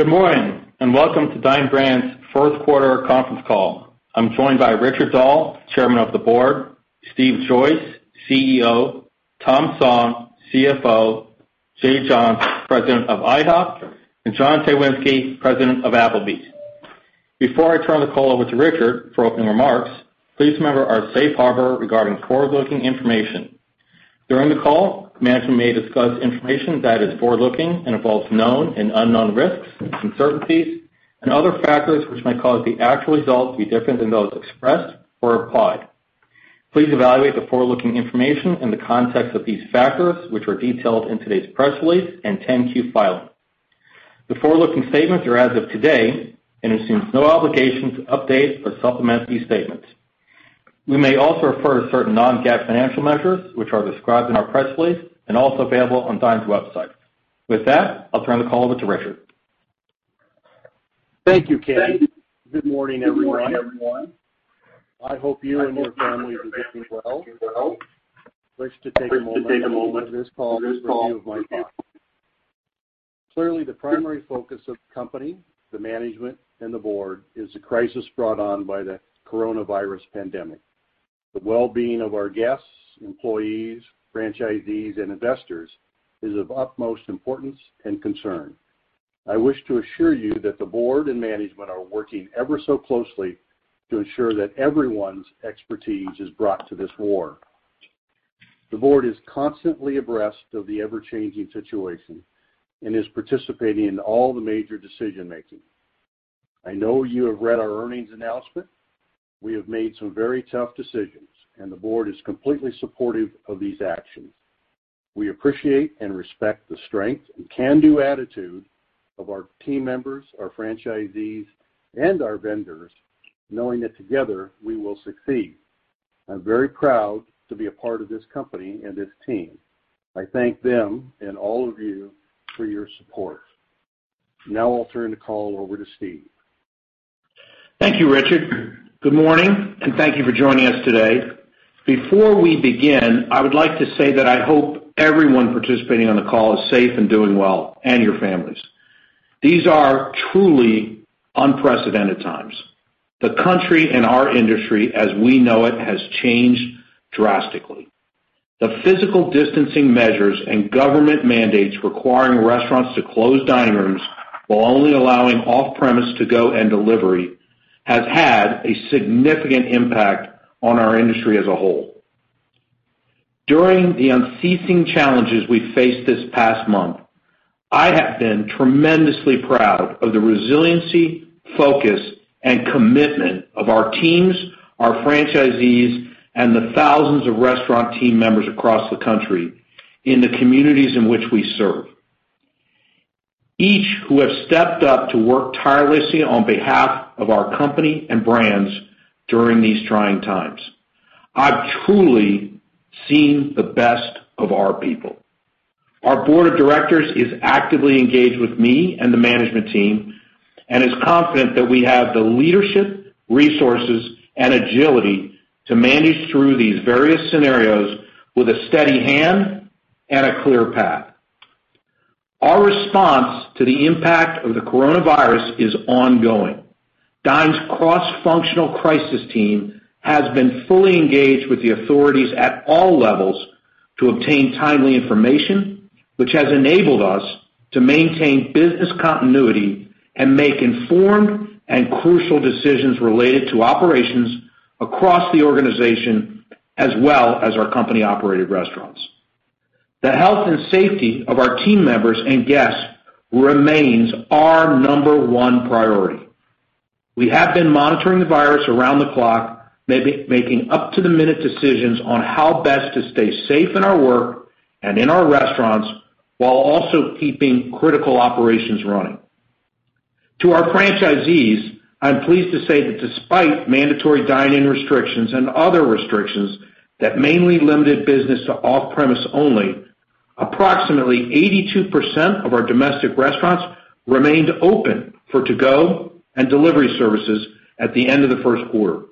Good morning, welcome to Dine Brands' fourth quarter conference call. I'm joined by Richard Dahl, Chairman of the Board, Steve Joyce, CEO, Tom Song, CFO, Jay Johns, President of IHOP, and John Cywinski, President of Applebee's. Before I turn the call over to Richard for opening remarks, please remember our safe harbor regarding forward-looking information. During the call, management may discuss information that is forward-looking and involves known and unknown risks, uncertainties, and other factors which might cause the actual results to be different than those expressed or implied. Please evaluate the forward-looking information in the context of these factors, which are detailed in today's press release and 10-Q filing. The forward-looking statements are as of today and assume no obligation to update or supplement these statements. We may also refer to certain non-GAAP financial measures, which are described in our press release and also available on Dine's website. With that, I'll turn the call over to Richard. Thank you, Ken. Good morning, everyone. I hope you and your families are doing well. I wish to take a moment during this call to review my thoughts. Clearly, the primary focus of the company, the management, and the board is the crisis brought on by the coronavirus pandemic. The well-being of our guests, employees, franchisees, and investors is of utmost importance and concern. I wish to assure you that the board and management are working ever so closely to ensure that everyone's expertise is brought to this war. The board is constantly abreast of the ever-changing situation and is participating in all the major decision-making. I know you have read our earnings announcement. We have made some very tough decisions, and the board is completely supportive of these actions. We appreciate and respect the strength and can-do attitude of our team members, our franchisees, and our vendors, knowing that together we will succeed. I'm very proud to be a part of this company and this team. I thank them and all of you for your support. Now I'll turn the call over to Steve. Thank you, Richard. Good morning, and thank you for joining us today. Before we begin, I would like to say that I hope everyone participating on the call is safe and doing well, and your families. These are truly unprecedented times. The country and our industry as we know it has changed drastically. The physical distancing measures and government mandates requiring restaurants to close dining rooms, while only allowing off-premise to-go and delivery, has had a significant impact on our industry as a whole. During the unceasing challenges we faced this past month, I have been tremendously proud of the resiliency, focus, and commitment of our teams, our franchisees, and the thousands of restaurant team members across the country in the communities in which we serve, each who have stepped up to work tirelessly on behalf of our company and brands during these trying times. I've truly seen the best of our people. Our board of directors is actively engaged with me and the management team and is confident that we have the leadership, resources, and agility to manage through these various scenarios with a steady hand and a clear path. Our response to the impact of the coronavirus is ongoing. Dine's cross-functional crisis team has been fully engaged with the authorities at all levels to obtain timely information, which has enabled us to maintain business continuity and make informed and crucial decisions related to operations across the organization, as well as our company-operated restaurants. The health and safety of our team members and guests remains our number one priority. We have been monitoring the virus around the clock, making up-to-the-minute decisions on how best to stay safe in our work and in our restaurants while also keeping critical operations running. To our franchisees, I'm pleased to say that despite mandatory dine-in restrictions and other restrictions that mainly limited business to off-premise only, approximately 82% of our domestic restaurants remained open for to-go and delivery services at the end of the first quarter.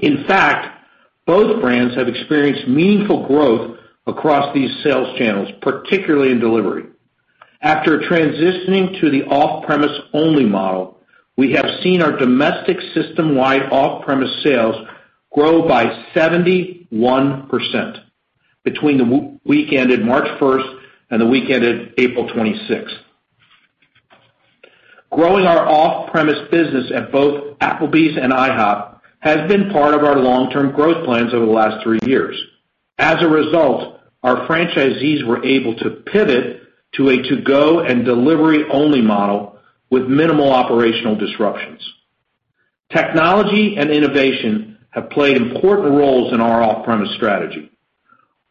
In fact, both brands have experienced meaningful growth across these sales channels, particularly in delivery. After transitioning to the off-premise only model, we have seen our domestic system-wide off-premise sales grow by 71% between the week ended March 1st and the week ended April 26th. Growing our off-premise business at both Applebee's and IHOP has been part of our long-term growth plans over the last three years. As a result, our franchisees were able to pivot to a to-go and delivery-only model with minimal operational disruptions. Technology and innovation have played important roles in our off-premise strategy.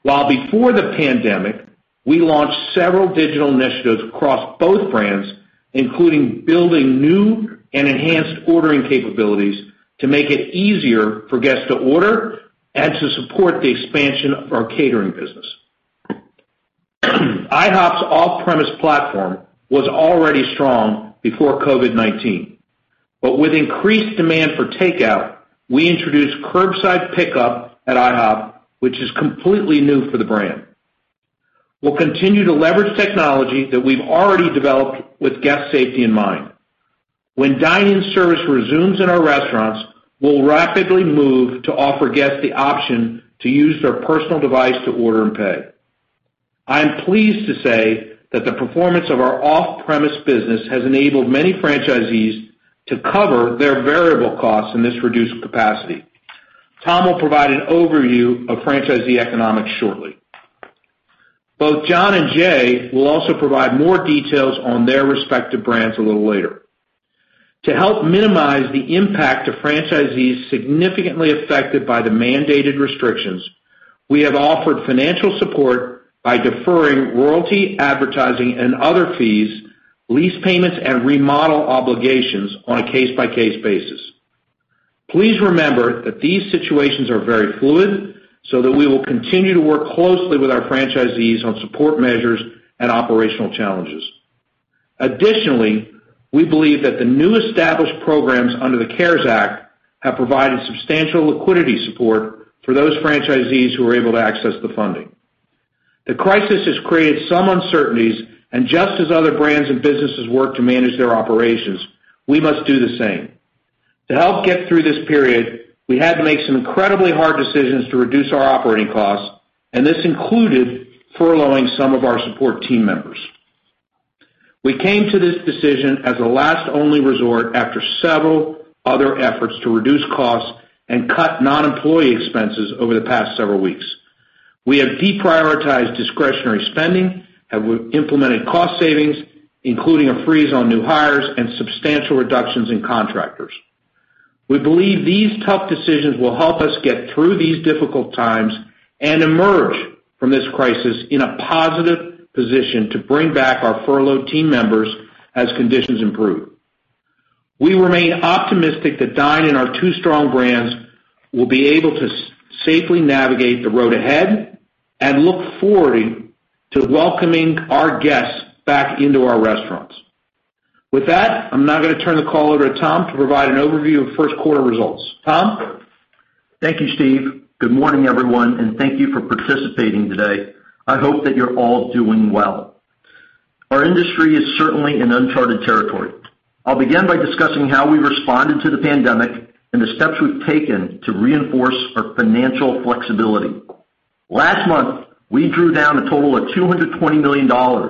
While before the pandemic, we launched several digital initiatives across both brands, including building new and enhanced ordering capabilities to make it easier for guests to order and to support the expansion of our catering business. IHOP's off-premise platform was already strong before COVID-19. With increased demand for takeout, we introduced curbside pickup at IHOP, which is completely new for the brand. We'll continue to leverage technology that we've already developed with guest safety in mind. When dine-in service resumes in our restaurants, we'll rapidly move to offer guests the option to use their personal device to order and pay. I am pleased to say that the performance of our off-premise business has enabled many franchisees to cover their variable costs in this reduced capacity. Tom will provide an overview of franchisee economics shortly. Both John and Jay will also provide more details on their respective brands a little later. To help minimize the impact to franchisees significantly affected by the mandated restrictions, we have offered financial support by deferring royalty, advertising, and other fees, lease payments, and remodel obligations on a case-by-case basis. Please remember that these situations are very fluid, so that we will continue to work closely with our franchisees on support measures and operational challenges. Additionally, we believe that the new established programs under the CARES Act have provided substantial liquidity support for those franchisees who are able to access the funding. The crisis has created some uncertainties, and just as other brands and businesses work to manage their operations, we must do the same. To help get through this period, we had to make some incredibly hard decisions to reduce our operating costs, and this included furloughing some of our support team members. We came to this decision as a last only resort after several other efforts to reduce costs and cut non-employee expenses over the past several weeks. We have deprioritized discretionary spending, have implemented cost savings, including a freeze on new hires and substantial reductions in contractors. We believe these tough decisions will help us get through these difficult times and emerge from this crisis in a positive position to bring back our furloughed team members as conditions improve. We remain optimistic that Dine and our two strong brands will be able to safely navigate the road ahead, and look forward to welcoming our guests back into our restaurants. With that, I'm now going to turn the call over to Tom to provide an overview of first quarter results. Tom? Thank you, Steve. Good morning, everyone, and thank you for participating today. I hope that you're all doing well. Our industry is certainly in uncharted territory. I'll begin by discussing how we responded to the pandemic and the steps we've taken to reinforce our financial flexibility. Last month, we drew down a total of $220 million from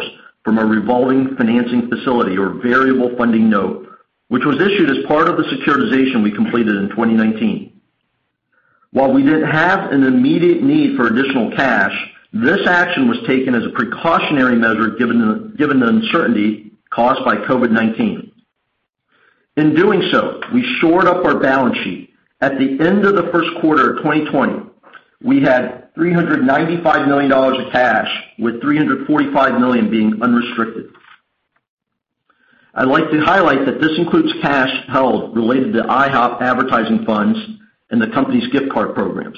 our revolving financing facility, or variable funding note, which was issued as part of the securitization we completed in 2019. While we didn't have an immediate need for additional cash, this action was taken as a precautionary measure given the uncertainty caused by COVID-19. In doing so, we shored up our balance sheet. At the end of the first quarter of 2020, we had $395 million of cash, with $345 million being unrestricted. I'd like to highlight that this includes cash held related to IHOP advertising funds and the company's gift card programs.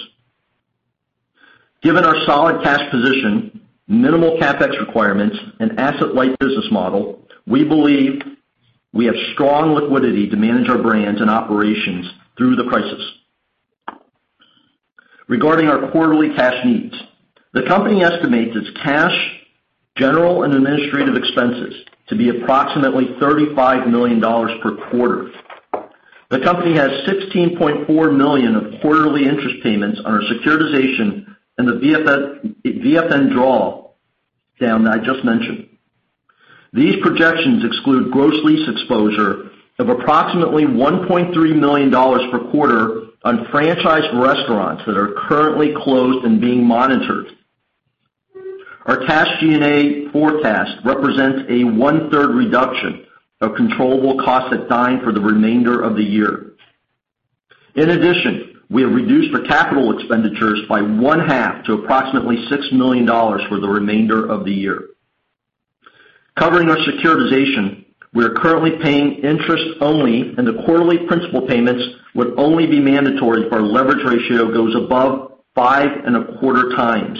Given our solid cash position, minimal CapEx requirements, and asset-light business model, we believe we have strong liquidity to manage our brands and operations through the crisis. Regarding our quarterly cash needs, the company estimates its cash, general and administrative expenses to be approximately $35 million per quarter. The company has $16.4 million of quarterly interest payments on our securitization and the VFN draw down that I just mentioned. These projections exclude gross lease exposure of approximately $1.3 million per quarter on franchise restaurants that are currently closed and being monitored. Our cash G&A forecast represents a 1/3 reduction of controllable costs at Dine for the remainder of the year. In addition, we have reduced our capital expenditures by 1/2 to approximately $6 million for the remainder of the year. Covering our securitization, we are currently paying interest only, the quarterly principal payments would only be mandatory if our leverage ratio goes above 5.25x.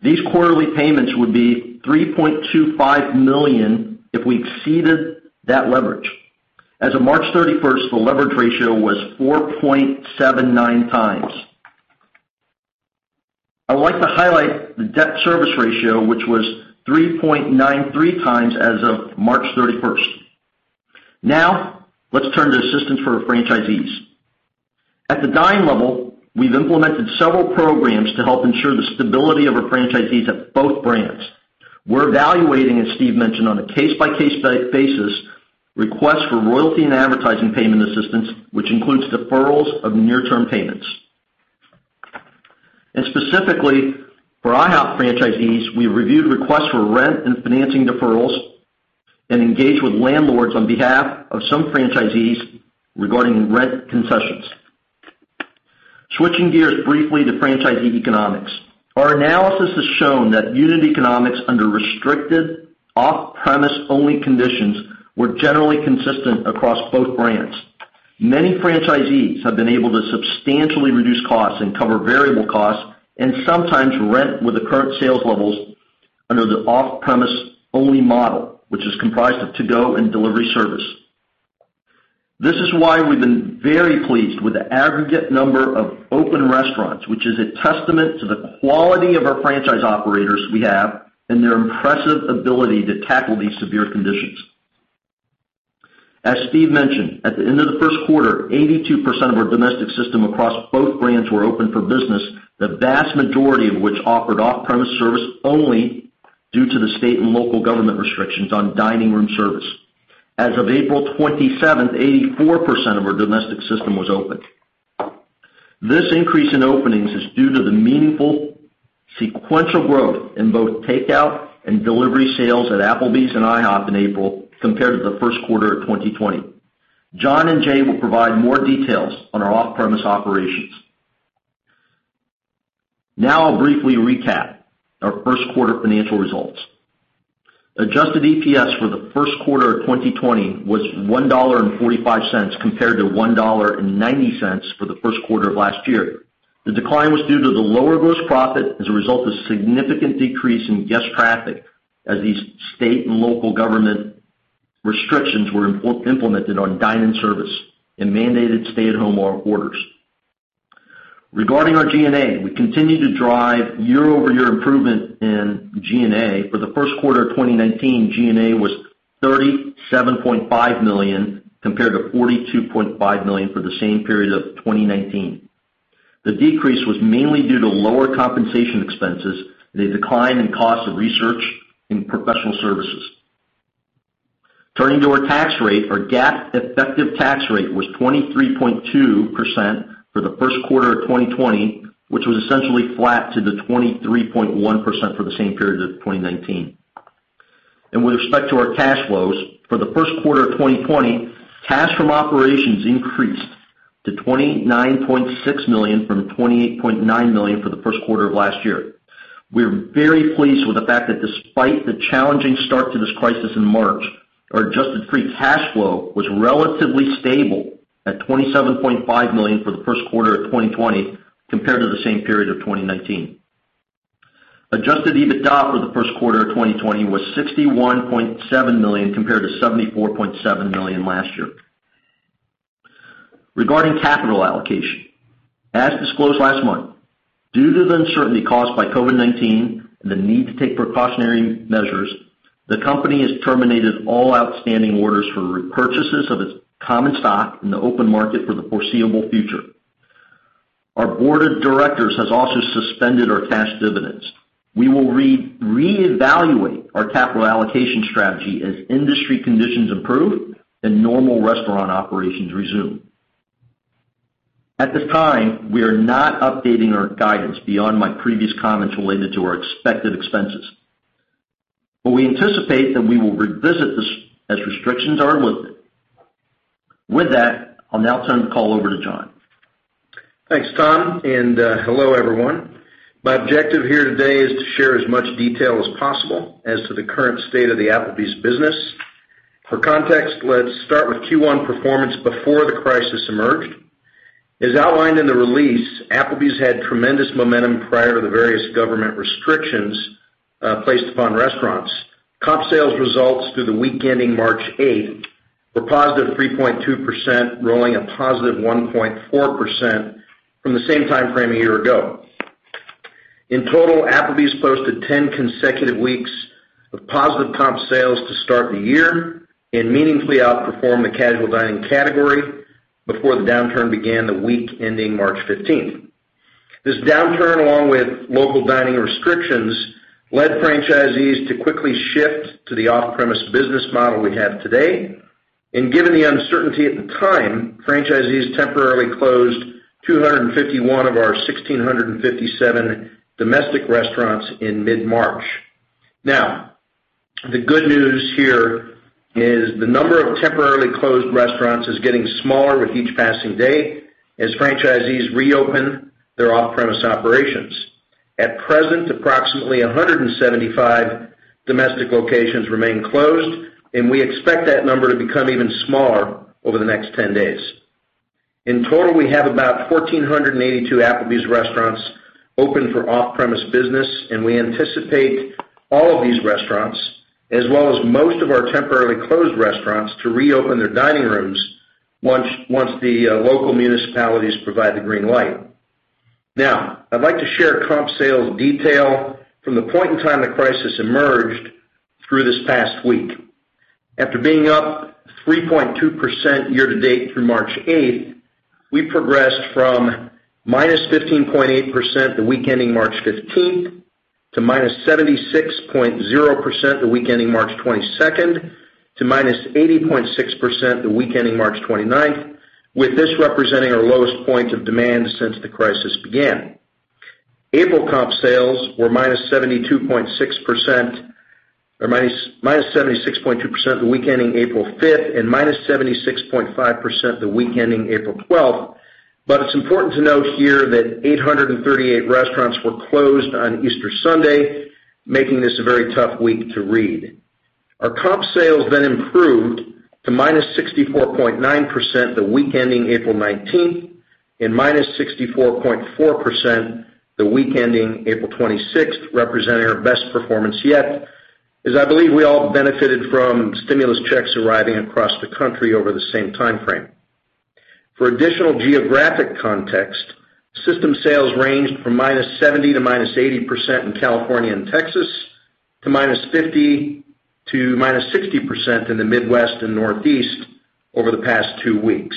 These quarterly payments would be $3.25 million if we exceeded that leverage. As of March 31st, the leverage ratio was 4.79x. I'd like to highlight the debt service ratio, which was 3.93x as of March 31st. Let's turn to assistance for our franchisees. At the Dine level, we've implemented several programs to help ensure the stability of our franchisees at both brands. We're evaluating, as Steve mentioned, on a case-by-case basis, requests for royalty and advertising payment assistance, which includes deferrals of near-term payments. Specifically, for IHOP franchisees, we reviewed requests for rent and financing deferrals and engaged with landlords on behalf of some franchisees regarding rent concessions. Switching gears briefly to franchisee economics. Our analysis has shown that unit economics under restricted off-premise-only conditions were generally consistent across both brands. Many franchisees have been able to substantially reduce costs and cover variable costs, and sometimes rent with the current sales levels. Under the off-premise only model, which is comprised of to-go and delivery service. This is why we've been very pleased with the aggregate number of open restaurants, which is a testament to the quality of our franchise operators we have, and their impressive ability to tackle these severe conditions. As Steve mentioned, at the end of the first quarter, 82% of our domestic system across both brands were open for business, the vast majority of which offered off-premise service only due to the state and local government restrictions on dining room service. As of April 27th, 84% of our domestic system was open. This increase in openings is due to the meaningful sequential growth in both takeout and delivery sales at Applebee's and IHOP in April compared to the first quarter of 2020. John and Jay will provide more details on our off-premise operations. Now I'll briefly recap our first quarter financial results. Adjusted EPS for the first quarter of 2020 was $1.45 compared to $1.90 for the first quarter of last year. The decline was due to the lower gross profit as a result of significant decrease in guest traffic as these state and local government restrictions were implemented on dine-in service and mandated stay-at-home orders. Regarding our G&A, we continue to drive year-over-year improvement in G&A. For the first quarter of 2019, G&A was $37.5 million compared to $42.5 million for the same period of 2019. The decrease was mainly due to lower compensation expenses, the decline in cost of research, and professional services. Turning to our tax rate, our GAAP effective tax rate was 23.2% for the first quarter of 2020, which was essentially flat to the 23.1% for the same period of 2019. With respect to our cash flows, for the first quarter of 2020, cash from operations increased to $29.6 million from $28.9 million for the first quarter of last year. We're very pleased with the fact that despite the challenging start to this crisis in March, our adjusted free cash flow was relatively stable at $27.5 million for the first quarter of 2020 compared to the same period of 2019. Adjusted EBITDA for the first quarter of 2020 was $61.7 million compared to $74.7 million last year. Regarding capital allocation, as disclosed last month, due to the uncertainty caused by COVID-19 and the need to take precautionary measures, the company has terminated all outstanding orders for repurchases of its common stock in the open market for the foreseeable future. Our board of directors has also suspended our cash dividends. We will reevaluate our capital allocation strategy as industry conditions improve and normal restaurant operations resume. At this time, we are not updating our guidance beyond my previous comments related to our expected expenses. We anticipate that we will revisit this as restrictions are lifted. With that, I'll now turn the call over to John. Thanks, Tom, and hello, everyone. My objective here today is to share as much detail as possible as to the current state of the Applebee's business. For context, let's start with Q1 performance before the crisis emerged. As outlined in the release, Applebee's had tremendous momentum prior to the various government restrictions placed upon restaurants. Comp sales results through the week ending March 8th were +3.2%, rolling a +1.4% from the same timeframe a year ago. In total, Applebee's posted 10 consecutive weeks of positive comp sales to start the year and meaningfully outperformed the casual dining category before the downturn began the week ending March 15th. This downturn, along with local dining restrictions, led franchisees to quickly shift to the off-premise business model we have today. Given the uncertainty at the time, franchisees temporarily closed 251 of our 1,657 domestic restaurants in mid-March. The good news here is the number of temporarily closed restaurants is getting smaller with each passing day as franchisees reopen their off-premise operations. At present, approximately 175 domestic locations remain closed, and we expect that number to become even smaller over the next 10 days. In total, we have about 1,482 Applebee's restaurants open for off-premise business, and we anticipate all of these restaurants, as well as most of our temporarily closed restaurants, to reopen their dining rooms once the local municipalities provide the green light. I'd like to share comp sales detail from the point in time the crisis emerged through this past week. After being up 3.2% year to date through March 8th, we progressed from -15.8% the week ending March 15th, to -76.0% the week ending March 22nd, to -80.6% the week ending March 29th, with this representing our lowest point of demand since the crisis began. April comp sales were -76.2% the week ending April 5th, and -76.5% the week ending April 12th. It's important to note here that 838 restaurants were closed on Easter Sunday, making this a very tough week to read. Our comp sales then improved to -64.9% the week ending April 19th, and -64.4% the week ending April 26th, representing our best performance yet, as I believe we all benefited from stimulus checks arriving across the country over the same timeframe. For additional geographic context, system sales ranged from -70% to -80% in California and Texas, to -50% to -60% in the Midwest and Northeast over the past two weeks.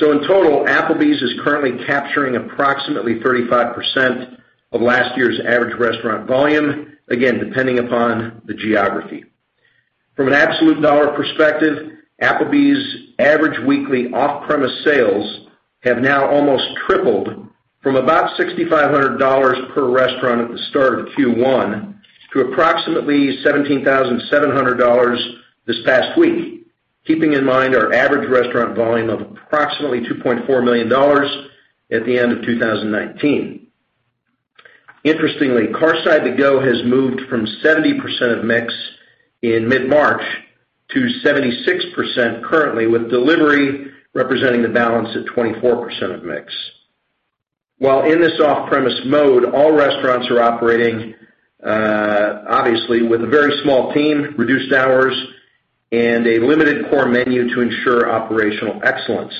In total, Applebee's is currently capturing approximately 35% of last year's average restaurant volume, again, depending upon the geography. From an absolute dollar perspective, Applebee's average weekly off-premise sales have now almost tripled from about $6,500 per restaurant at the start of Q1 to approximately $17,700 this past week, keeping in mind our average restaurant volume of approximately $2.4 million at the end of 2019. Interestingly, Carside To Go has moved from 70% of mix in mid-March to 76% currently, with delivery representing the balance at 24% of mix. While in this off-premise mode, all restaurants are operating, obviously, with a very small team, reduced hours, and a limited core menu to ensure operational excellence.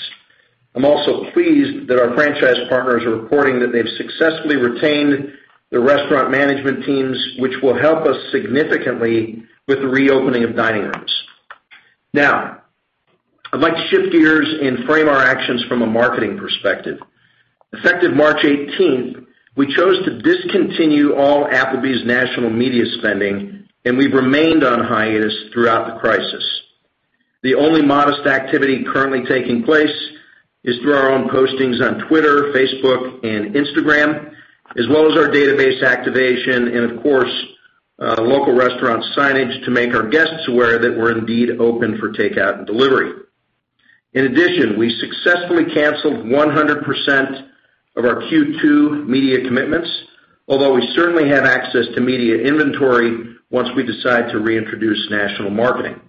I'm also pleased that our franchise partners are reporting that they've successfully retained their restaurant management teams, which will help us significantly with the reopening of dining rooms. Now, I'd like to shift gears and frame our actions from a marketing perspective. Effective March 18th, we chose to discontinue all Applebee's national media spending, and we've remained on hiatus throughout the crisis. The only modest activity currently taking place is through our own postings on Twitter, Facebook, and Instagram, as well as our database activation and, of course, local restaurant signage to make our guests aware that we're indeed open for takeout and delivery. In addition, we successfully canceled 100% of our Q2 media commitments, although we certainly have access to media inventory once we decide to reintroduce national marketing.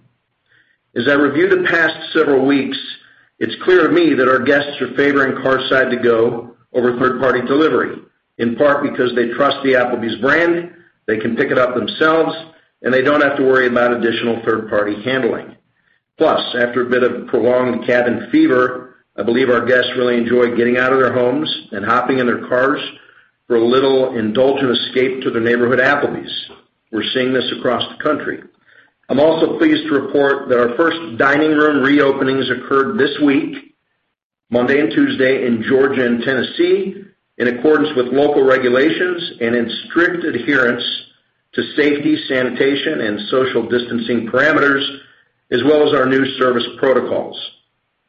As I review the past several weeks, it's clear to me that our guests are favoring Carside To Go over third-party delivery, in part because they trust the Applebee's brand, they can pick it up themselves, and they don't have to worry about additional third-party handling. Plus, after a bit of prolonged cabin fever, I believe our guests really enjoy getting out of their homes and hopping in their cars for a little indulgent escape to their neighborhood Applebee's. We're seeing this across the country. I'm also pleased to report that our first dining room reopenings occurred this week, Monday and Tuesday in Georgia and Tennessee, in accordance with local regulations and in strict adherence to safety, sanitation, and social distancing parameters, as well as our new service protocols.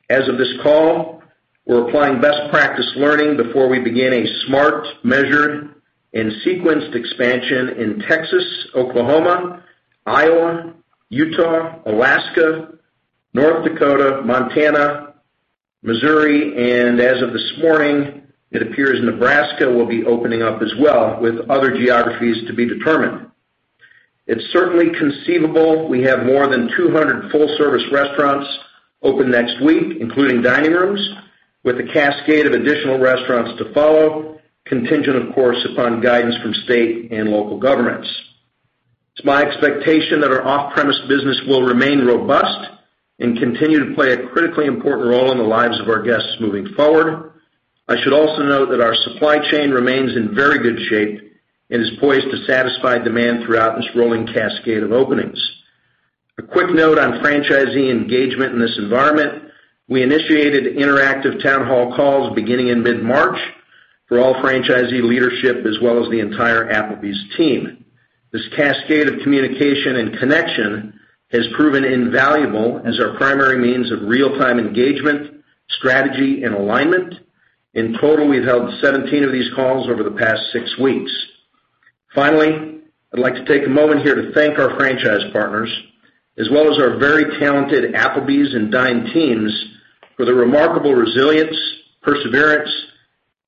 As of this call, we're applying best practice learning before we begin a smart, measured, and sequenced expansion in Texas, Oklahoma, Iowa, Utah, Alaska, North Dakota, Montana, Missouri, and as of this morning, it appears Nebraska will be opening up as well, with other geographies to be determined. It's certainly conceivable we have more than 200 full-service restaurants open next week, including dining rooms, with a cascade of additional restaurants to follow, contingent, of course, upon guidance from state and local governments. It's my expectation that our off-premise business will remain robust and continue to play a critically important role in the lives of our guests moving forward. I should also note that our supply chain remains in very good shape and is poised to satisfy demand throughout this rolling cascade of openings. A quick note on franchisee engagement in this environment. We initiated interactive town hall calls beginning in mid-March for all franchisee leadership as well as the entire Applebee's team. This cascade of communication and connection has proven invaluable as our primary means of real-time engagement, strategy, and alignment. In total, we've held 17 of these calls over the past six weeks. Finally, I'd like to take a moment here to thank our franchise partners, as well as our very talented Applebee's and Dine teams, for the remarkable resilience, perseverance,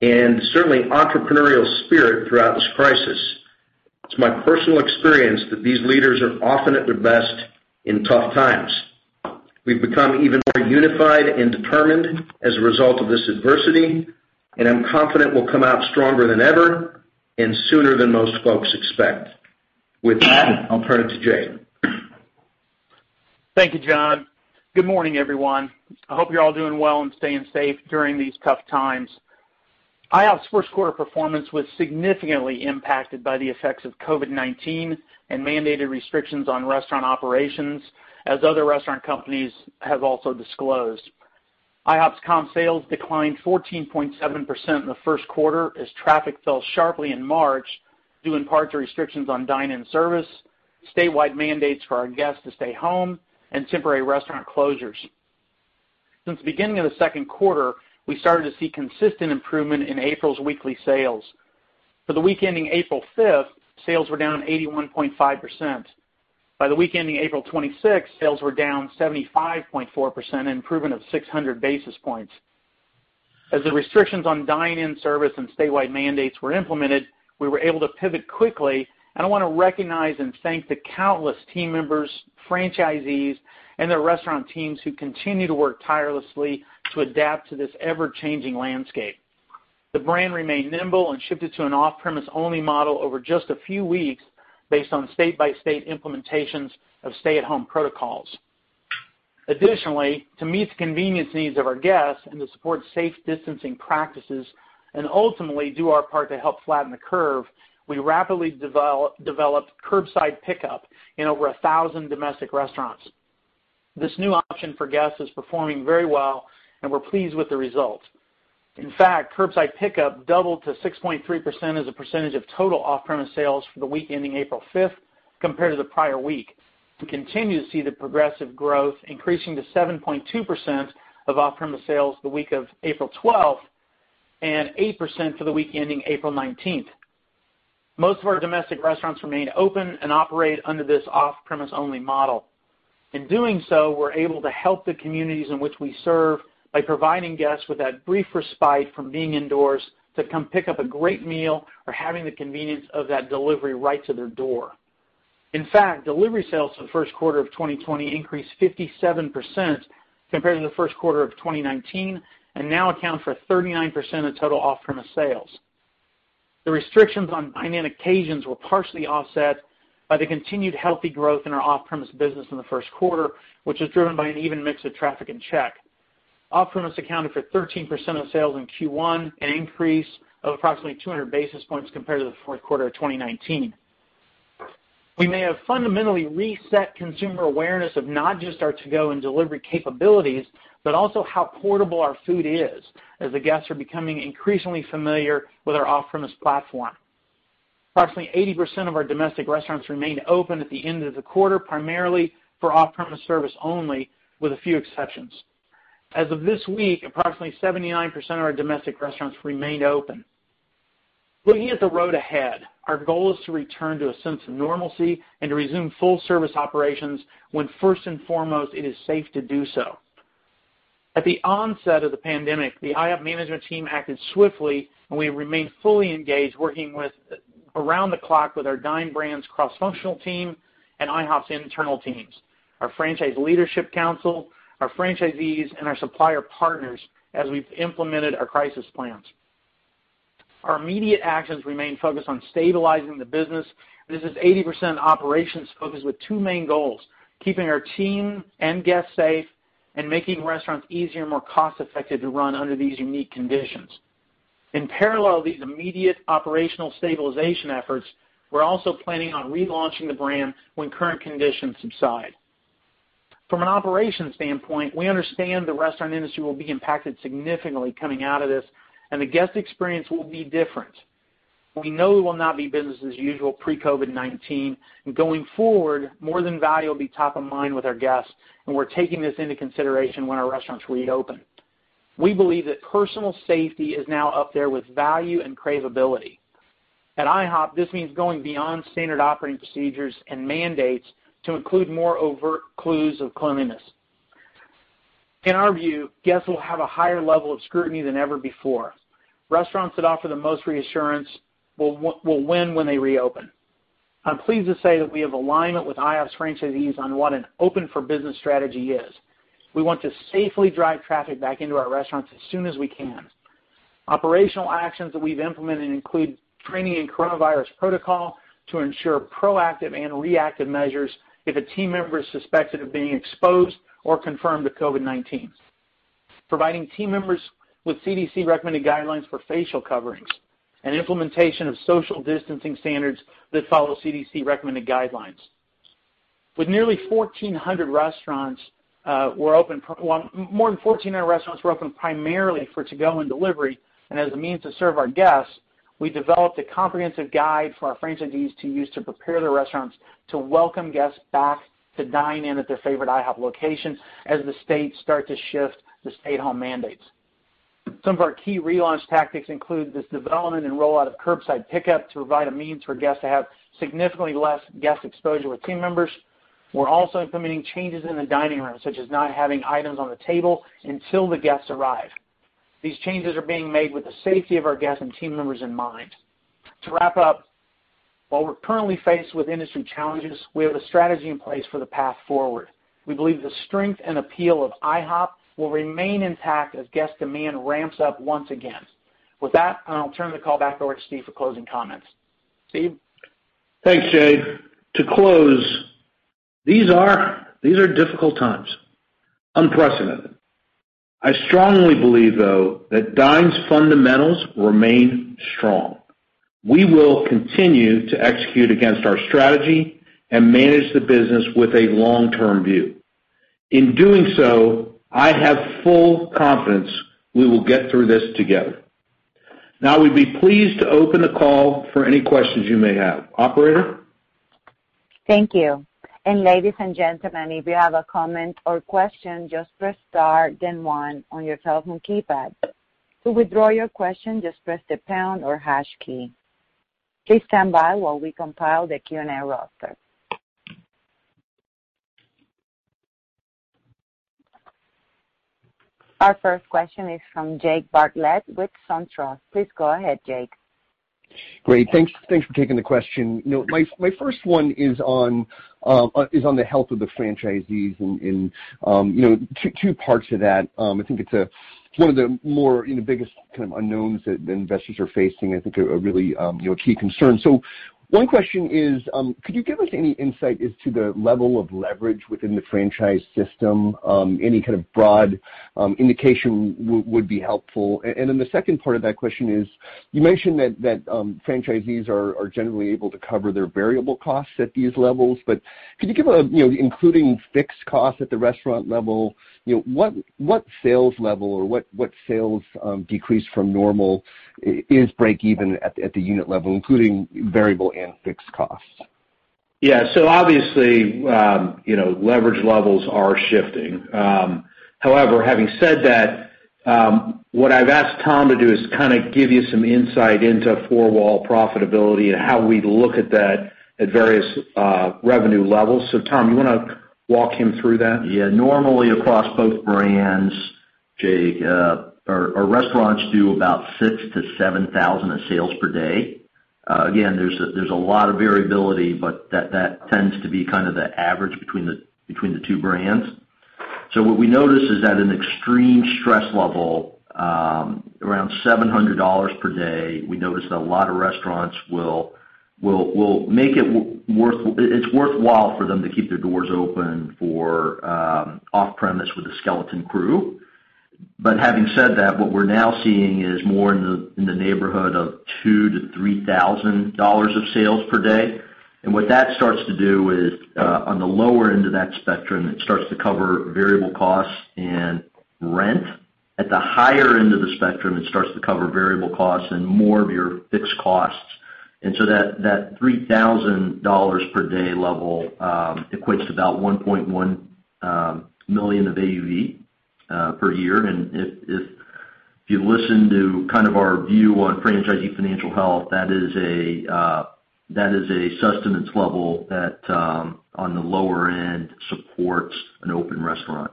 and certainly entrepreneurial spirit throughout this crisis. It's my personal experience that these leaders are often at their best in tough times. We've become even more unified and determined as a result of this adversity, and I'm confident we'll come out stronger than ever and sooner than most folks expect. With that, I'll turn it to Jay. Thank you, John. Good morning, everyone. I hope you're all doing well and staying safe during these tough times. IHOP's first quarter performance was significantly impacted by the effects of COVID-19 and mandated restrictions on restaurant operations, as other restaurant companies have also disclosed. IHOP's comp sales declined 14.7% in the first quarter as traffic fell sharply in March, due in part to restrictions on dine-in service, statewide mandates for our guests to stay home, and temporary restaurant closures. Since the beginning of the second quarter, we started to see consistent improvement in April's weekly sales. For the week ending April 5th, sales were down 81.5%. By the week ending April 26th, sales were down 75.4%, an improvement of 600 basis points. As the restrictions on dine-in service and statewide mandates were implemented, we were able to pivot quickly. I want to recognize and thank the countless team members, franchisees, and the restaurant teams who continue to work tirelessly to adapt to this ever-changing landscape. The brand remained nimble and shifted to an off-premise only model over just a few weeks based on state-by-state implementations of stay-at-home protocols. Additionally, to meet the convenience needs of our guests and to support safe distancing practices and ultimately do our part to help flatten the curve, we rapidly developed curbside pickup in over 1,000 domestic restaurants. This new option for guests is performing very well, and we're pleased with the results. In fact, curbside pickup doubled to 6.3% as a percentage of total off-premise sales for the week ending April 5th compared to the prior week. We continue to see the progressive growth increasing to 7.2% of off-premise sales the week of April 12th and 8% for the week ending April 19th. Most of our domestic restaurants remain open and operate under this off-premise only model. In doing so, we're able to help the communities in which we serve by providing guests with that brief respite from being indoors to come pick up a great meal or having the convenience of that delivery right to their door. In fact, delivery sales for the first quarter of 2020 increased 57% compared to the first quarter of 2019 and now account for 39% of total off-premise sales. The restrictions on dine-in occasions were partially offset by the continued healthy growth in our off-premise business in the first quarter, which was driven by an even mix of traffic and check. Off-premise accounted for 13% of sales in Q1, an increase of approximately 200 basis points compared to the fourth quarter of 2019. We may have fundamentally reset consumer awareness of not just our to-go and delivery capabilities, but also how portable our food is as the guests are becoming increasingly familiar with our off-premise platform. Approximately 80% of our domestic restaurants remain open at the end of the quarter, primarily for off-premise service only, with a few exceptions. As of this week, approximately 79% of our domestic restaurants remain open. Looking at the road ahead, our goal is to return to a sense of normalcy and to resume full-service operations when first and foremost, it is safe to do so. At the onset of the pandemic, the IHOP management team acted swiftly. We remain fully engaged, working around the clock with our Dine Brands cross-functional team and IHOP's internal teams, our franchise leadership council, our franchisees, and our supplier partners as we've implemented our crisis plans. Our immediate actions remain focused on stabilizing the business. This is 80% operations focused with two main goals, keeping our team and guests safe and making restaurants easier and more cost-effective to run under these unique conditions. In parallel to these immediate operational stabilization efforts, we're also planning on relaunching the brand when current conditions subside. From an operations standpoint, we understand the restaurant industry will be impacted significantly coming out of this, and the guest experience will be different. We know it will not be business as usual pre-COVID-19, and going forward, more than value will be top of mind with our guests, and we're taking this into consideration when our restaurants reopen. We believe that personal safety is now up there with value and craveability. At IHOP, this means going beyond standard operating procedures and mandates to include more overt clues of cleanliness. In our view, guests will have a higher level of scrutiny than ever before. Restaurants that offer the most reassurance will win when they reopen. I'm pleased to say that we have alignment with IHOP's franchisees on what an open-for-business strategy is. We want to safely drive traffic back into our restaurants as soon as we can. Operational actions that we've implemented include training in coronavirus protocol to ensure proactive and reactive measures if a team member is suspected of being exposed or confirmed with COVID-19. Providing team members with CDC-recommended guidelines for facial coverings and implementation of social distancing standards that follow CDC-recommended guidelines. With nearly 1,400 restaurants, well, more than 1,400 restaurants were open primarily for to-go and delivery, and as a means to serve our guests, we developed a comprehensive guide for our franchisees to use to prepare the restaurants to welcome guests back to dine in at their favorite IHOP location as the states start to shift the stay-at-home mandates. Some of our key relaunch tactics include this development and rollout of curbside pickup to provide a means for guests to have significantly less guest exposure with team members. We're also implementing changes in the dining room, such as not having items on the table until the guests arrive. These changes are being made with the safety of our guests and team members in mind. To wrap up, while we're currently faced with industry challenges, we have a strategy in place for the path forward. We believe the strength and appeal of IHOP will remain intact as guest demand ramps up once again. With that, I'll turn the call back over to Steve for closing comments. Steve? Thanks, Jay. To close, these are difficult times. Unprecedented. I strongly believe, though, that Dine's fundamentals remain strong. We will continue to execute against our strategy and manage the business with a long-term view. In doing so, I have full confidence we will get through this together. Now, we'd be pleased to open the call for any questions you may have. Operator? Thank you. Ladies and gentlemen, if you have a comment or question, just press star then one on your telephone keypad. To withdraw your question, just press the pound or hash key. Please stand by while we compile the Q&A roster. Our first question is from Jake Bartlett with SunTrust. Please go ahead, Jake. Great. Thanks for taking the question. My first one is on the health of the franchisees and two parts to that. I think it's one of the more biggest kind of unknowns that investors are facing, I think, a really key concern. One question is, could you give us any insight as to the level of leverage within the franchise system? Any kind of broad indication would be helpful. The second part of that question is, you mentioned that franchisees are generally able to cover their variable costs at these levels. Could you give us, including fixed costs at the restaurant level, what sales level or what sales decrease from normal is break even at the unit level, including variable and fixed costs? Yeah. Obviously leverage levels are shifting. However, having said that, what I've asked Tom to do is kind of give you some insight into four-wall profitability and how we look at that at various revenue levels. Tom, you want to walk him through that? Yeah. Normally, across both brands, Jake, our restaurants do about $6,000-$7,000 of sales per day. Again, there's a lot of variability, but that tends to be kind of the average between the two brands. What we notice is at an extreme stress level, around $700 per day, we notice that a lot of restaurants will make it worthwhile for them to keep their doors open for off-premise with a skeleton crew. Having said that, what we're now seeing is more in the neighborhood of $2,000-$3,000 of sales per day. What that starts to do is, on the lower end of that spectrum, it starts to cover variable costs and rent. At the higher end of the spectrum, it starts to cover variable costs and more of your fixed costs. That $3,000 per day level equates to about $1.1 million of AUV per year. If you listen to kind of our view on franchisee financial health, that is a sustenance level that, on the lower end, supports an open restaurant.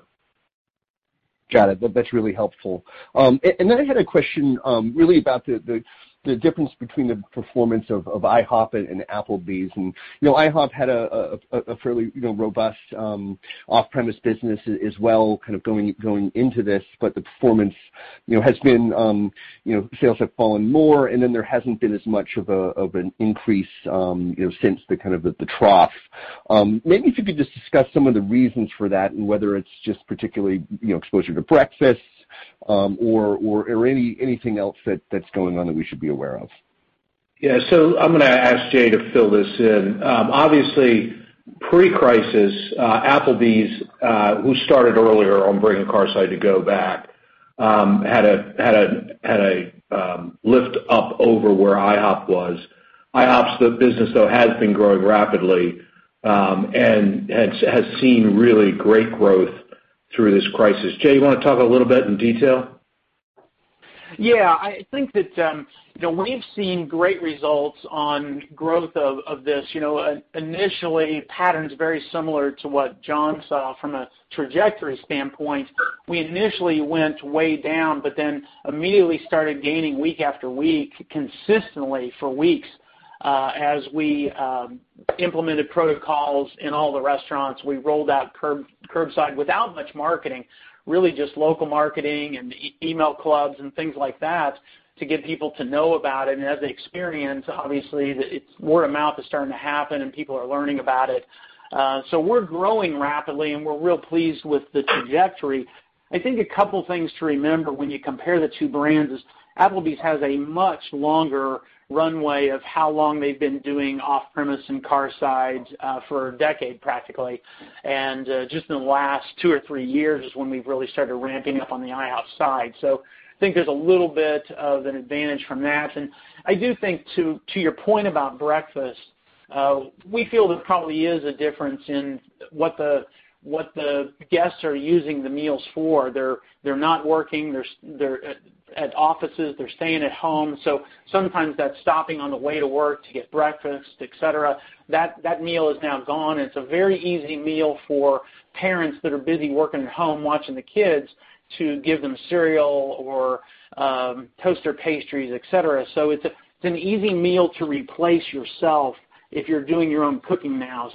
Got it. That's really helpful. Then I had a question really about the difference between the performance of IHOP and Applebee's. IHOP had a fairly robust off-premise business as well kind of going into this. The sales have fallen more, and then there hasn't been as much of an increase since the kind of the trough. Maybe if you could just discuss some of the reasons for that and whether it's just particularly exposure to breakfast or anything else that's going on that we should be aware of. I'm going to ask Jay to fill this in. Obviously, pre-crisis, Applebee's, who started earlier on bringing Carside To Go back, had a lift up over where IHOP was. IHOP's business, though, has been growing rapidly and has seen really great growth through this crisis. Jay, you want to talk a little bit in detail? Yeah. We've seen great results on growth of this. Initially, patterns very similar to what John saw from a trajectory standpoint. We initially went way down, but then immediately started gaining week after week, consistently for weeks, as we implemented protocols in all the restaurants. We rolled out curbside without much marketing, really just local marketing and email clubs and things like that to get people to know about it. As they experience, obviously, word of mouth is starting to happen, and people are learning about it. We're growing rapidly, and we're real pleased with the trajectory. I think a couple things to remember when you compare the two brands is Applebee's has a much longer runway of how long they've been doing off-premise and Carsides, for a decade, practically. Just in the last two or three years is when we've really started ramping up on the IHOP side. I think there's a little bit of an advantage from that. I do think to your point about breakfast, we feel there probably is a difference in what the guests are using the meals for. They're not working, they're at offices, they're staying at home. Sometimes that stopping on the way to work to get breakfast, et cetera, that meal is now gone. It's a very easy meal for parents that are busy working at home, watching the kids, to give them cereal or toaster pastries, et cetera. It's an easy meal to replace yourself if you're doing your own cooking now.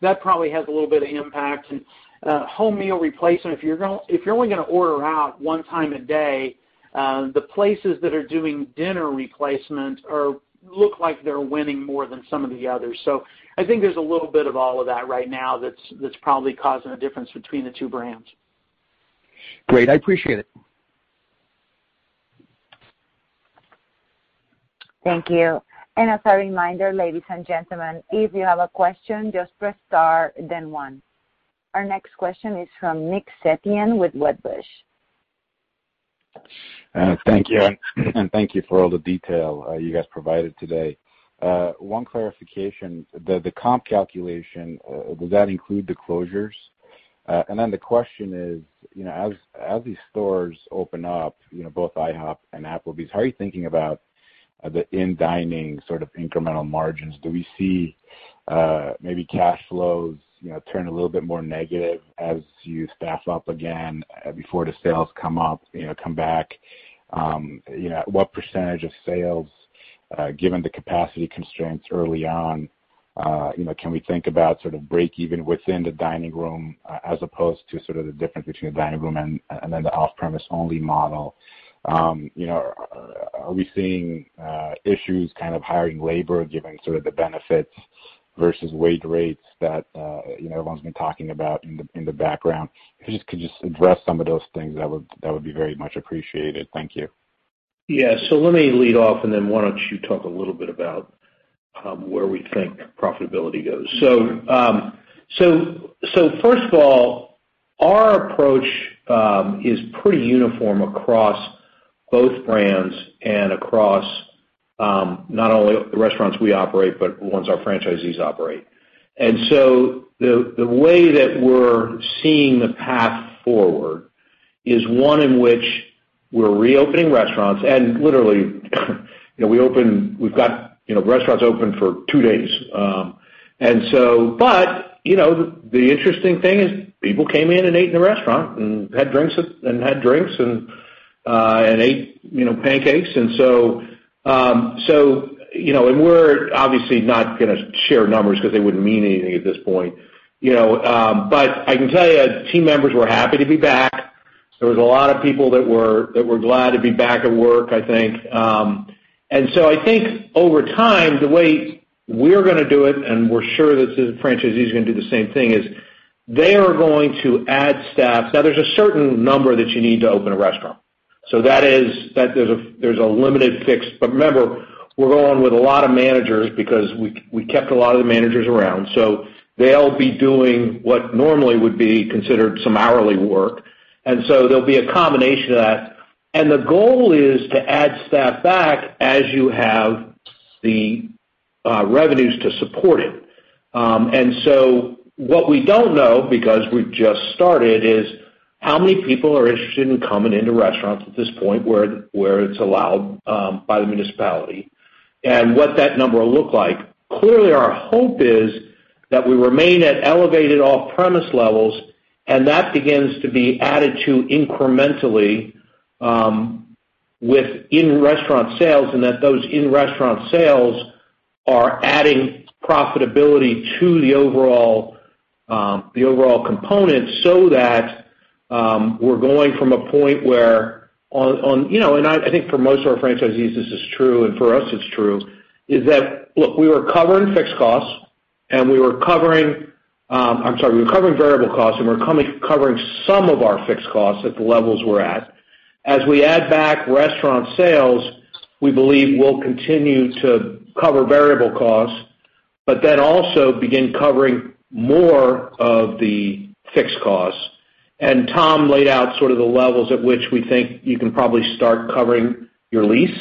That probably has a little bit of impact. Home meal replacement, if you're only going to order out one time a day, the places that are doing dinner replacement look like they're winning more than some of the others. I think there's a little bit of all of that right now that's probably causing a difference between the two brands. Great. I appreciate it. Thank you. As a reminder, ladies and gentlemen, if you have a question, just press star then one. Our next question is from Nick Setyan with Wedbush. Thank you. Thank you for all the detail you guys provided today. One clarification, the comp calculation, does that include the closures? The question is, as these stores open up, both IHOP and Applebee's, how are you thinking about the in-dining sort of incremental margins? Do we see cash flows turn a little bit more negative as you staff up again before the sales come back. What percentage of sales, given the capacity constraints early on, can we think about sort of break even within the dining room as opposed to sort of the difference between the dining room and then the off-premise only model? Are we seeing issues kind of hiring labor, given sort of the benefits versus wage rates that everyone's been talking about in the background? If you just could address some of those things, that would be very much appreciated. Thank you. Yeah. Let me lead off, and then why don't you talk a little bit about where we think profitability goes. First of all, our approach is pretty uniform across both brands and across not only the restaurants we operate, but the ones our franchisees operate. The way that we're seeing the path forward is one in which we're reopening restaurants, and literally, we've got restaurants open for two days. The interesting thing is people came in and ate in the restaurant and had drinks and ate pancakes. We're obviously not going to share numbers because they wouldn't mean anything at this point. I can tell you team members were happy to be back. There was a lot of people that were glad to be back at work, I think. I think over time, the way we're going to do it, and we're sure the franchisees are going to do the same thing, is they are going to add staff. Now, there's a certain number that you need to open a restaurant. There's a limited fix. Remember, we're going with a lot of managers because we kept a lot of the managers around. They'll be doing what normally would be considered some hourly work. There'll be a combination of that. The goal is to add staff back as you have the revenues to support it. What we don't know, because we've just started, is how many people are interested in coming into restaurants at this point where it's allowed by the municipality and what that number will look like. Clearly, our hope is that we remain at elevated off-premise levels, and that begins to be added to incrementally with in-restaurant sales, and that those in-restaurant sales are adding profitability to the overall component so that we're going from a point where, and I think for most of our franchisees, this is true, and for us it's true, is that, look, we were covering fixed costs, I'm sorry, we were covering variable costs, and we're covering some of our fixed costs at the levels we're at. As we add back restaurant sales, we believe we'll continue to cover variable costs, but then also begin covering more of the fixed costs. Tom laid out sort of the levels at which we think you can probably start covering your lease.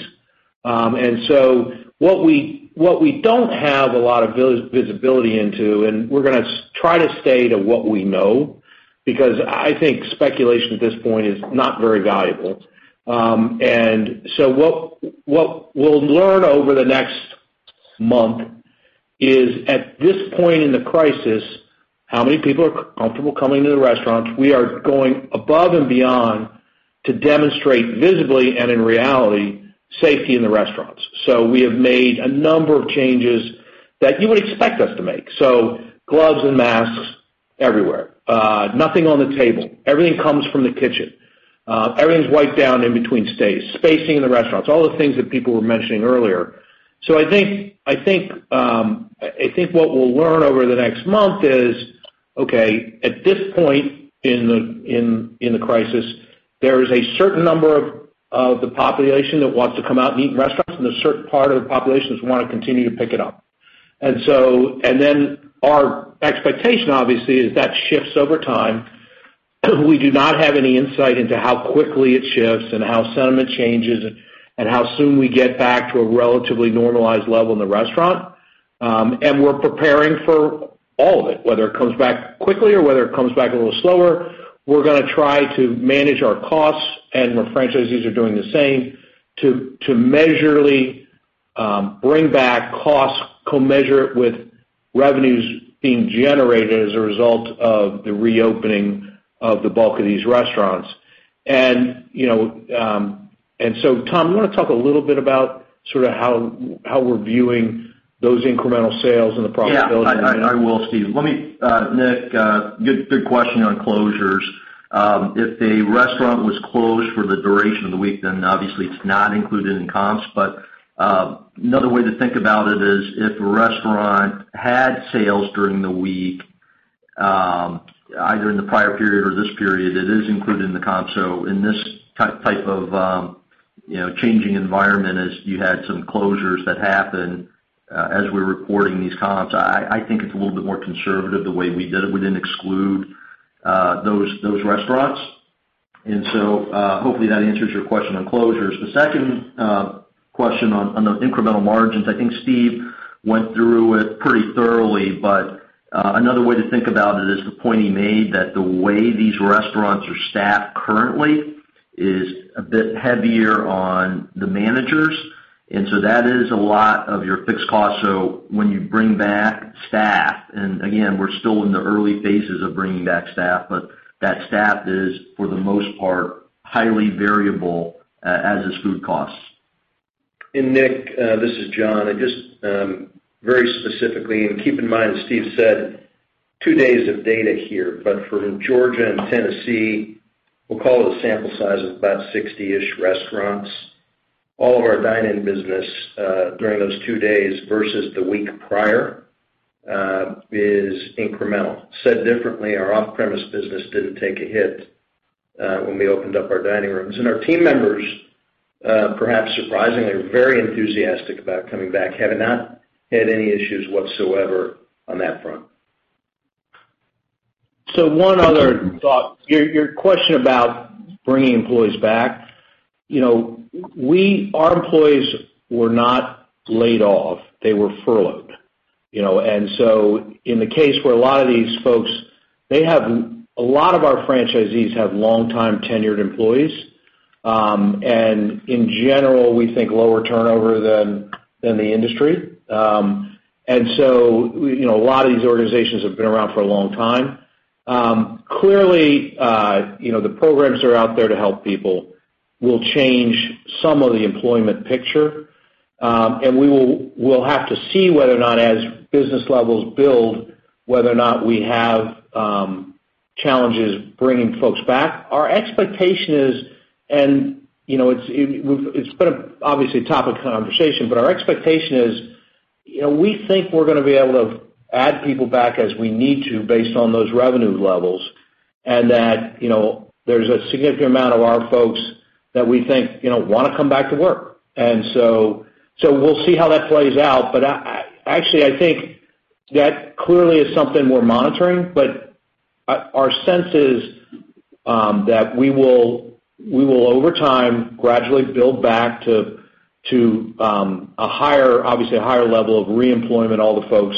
What we don't have a lot of visibility into, and we're going to try to stay to what we know, because I think speculation at this point is not very valuable. What we'll learn over the next month is, at this point in the crisis, how many people are comfortable coming to the restaurants? We are going above and beyond to demonstrate visibly and in reality, safety in the restaurants. We have made a number of changes that you would expect us to make. Gloves and masks everywhere. Nothing on the table. Everything comes from the kitchen. Everything's wiped down in between stays. Spacing in the restaurants, all the things that people were mentioning earlier. I think what we'll learn over the next month is, okay, at this point in the crisis, there is a certain number of the population that wants to come out and eat in restaurants, and a certain part of the population is wanting to continue to pick it up. Our expectation, obviously, is that shifts over time. We do not have any insight into how quickly it shifts and how sentiment changes and how soon we get back to a relatively normalized level in the restaurant, and we're preparing for all of it. Whether it comes back quickly or whether it comes back a little slower, we're going to try to manage our costs, and our franchisees are doing the same, to measurably bring back costs commensurate with revenues being generated as a result of the reopening of the bulk of these restaurants. Tom, you want to talk a little bit about sort of how we're viewing those incremental sales and the profitability? Yeah. I will, Steve. Nick, good question on closures. If a restaurant was closed for the duration of the week, then obviously it's not included in comps. Another way to think about it is if a restaurant had sales during the week, either in the prior period or this period, it is included in the comps. In this type of changing environment, as you had some closures that happened as we're reporting these comps, I think it's a little bit more conservative the way we did it. We didn't exclude those restaurants. Hopefully that answers your question on closures. The second question on the incremental margins, I think Steve went through it pretty thoroughly, but another way to think about it is the point he made that the way these restaurants are staffed currently is a bit heavier on the managers, and so that is a lot of your fixed cost. When you bring back staff, and again, we're still in the early phases of bringing back staff, but that staff is, for the most part, highly variable, as is food costs. Nick, this is John. Just very specifically, and keep in mind, as Steve said, two days of data here, but from Georgia and Tennessee, we'll call it a sample size of about 60-ish restaurants. All of our dine-in business during those two days versus the week prior is incremental. Said differently, our off-premise business didn't take a hit when we opened up our dining rooms. Our team members, perhaps surprisingly, are very enthusiastic about coming back, have not had any issues whatsoever on that front. One other thought, your question about bringing employees back. Our employees were not laid off. They were furloughed. In the case where a lot of these folks, a lot of our franchisees have long-time tenured employees, and in general, we think lower turnover than the industry. A lot of these organizations have been around for a long time. Clearly, the programs that are out there to help people will change some of the employment picture. We'll have to see whether or not as business levels build, whether or not we have challenges bringing folks back. It's been obviously a topic of conversation, but our expectation is, we think we're going to be able to add people back as we need to based on those revenue levels, and that there's a significant amount of our folks that we think want to come back to work. We'll see how that plays out. Actually, I think that clearly is something we're monitoring, but our sense is that we will, over time, gradually build back to obviously a higher level of re-employment all the folks.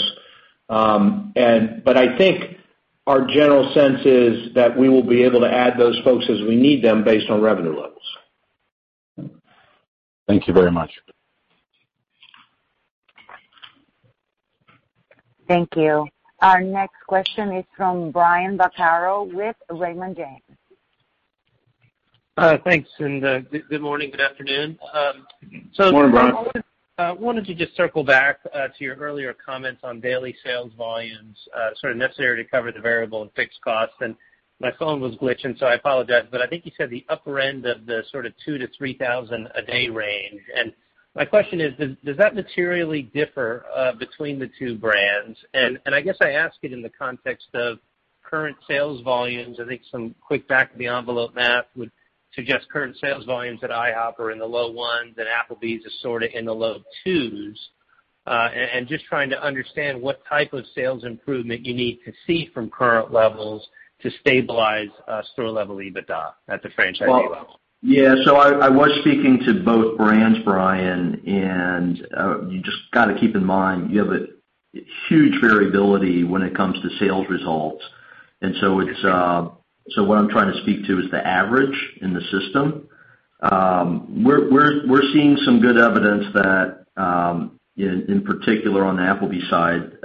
I think our general sense is that we will be able to add those folks as we need them based on revenue levels. Thank you very much. Thank you. Our next question is from Brian Vaccaro with Raymond James. Thanks, good morning. Good afternoon. Morning, Brian. I wanted to just circle back to your earlier comments on daily sales volumes, sort of necessary to cover the variable and fixed costs. My phone was glitching, so I apologize, but I think you said the upper end of the sort of $2,000-$3,000 a day range. My question is, does that materially differ between the two brands? I guess I ask it in the context of current sales volumes. I think some quick back of the envelope math would suggest current sales volumes at IHOP are in the low ones, and Applebee's is sort of in the low twos. Just trying to understand what type of sales improvement you need to see from current levels to stabilize store level EBITDA at the franchisee level. Yeah. I was speaking to both brands, Brian, and you just got to keep in mind, you have a huge variability when it comes to sales results. What I'm trying to speak to is the average in the system. We're seeing some good evidence that, in particular on the Applebee's side,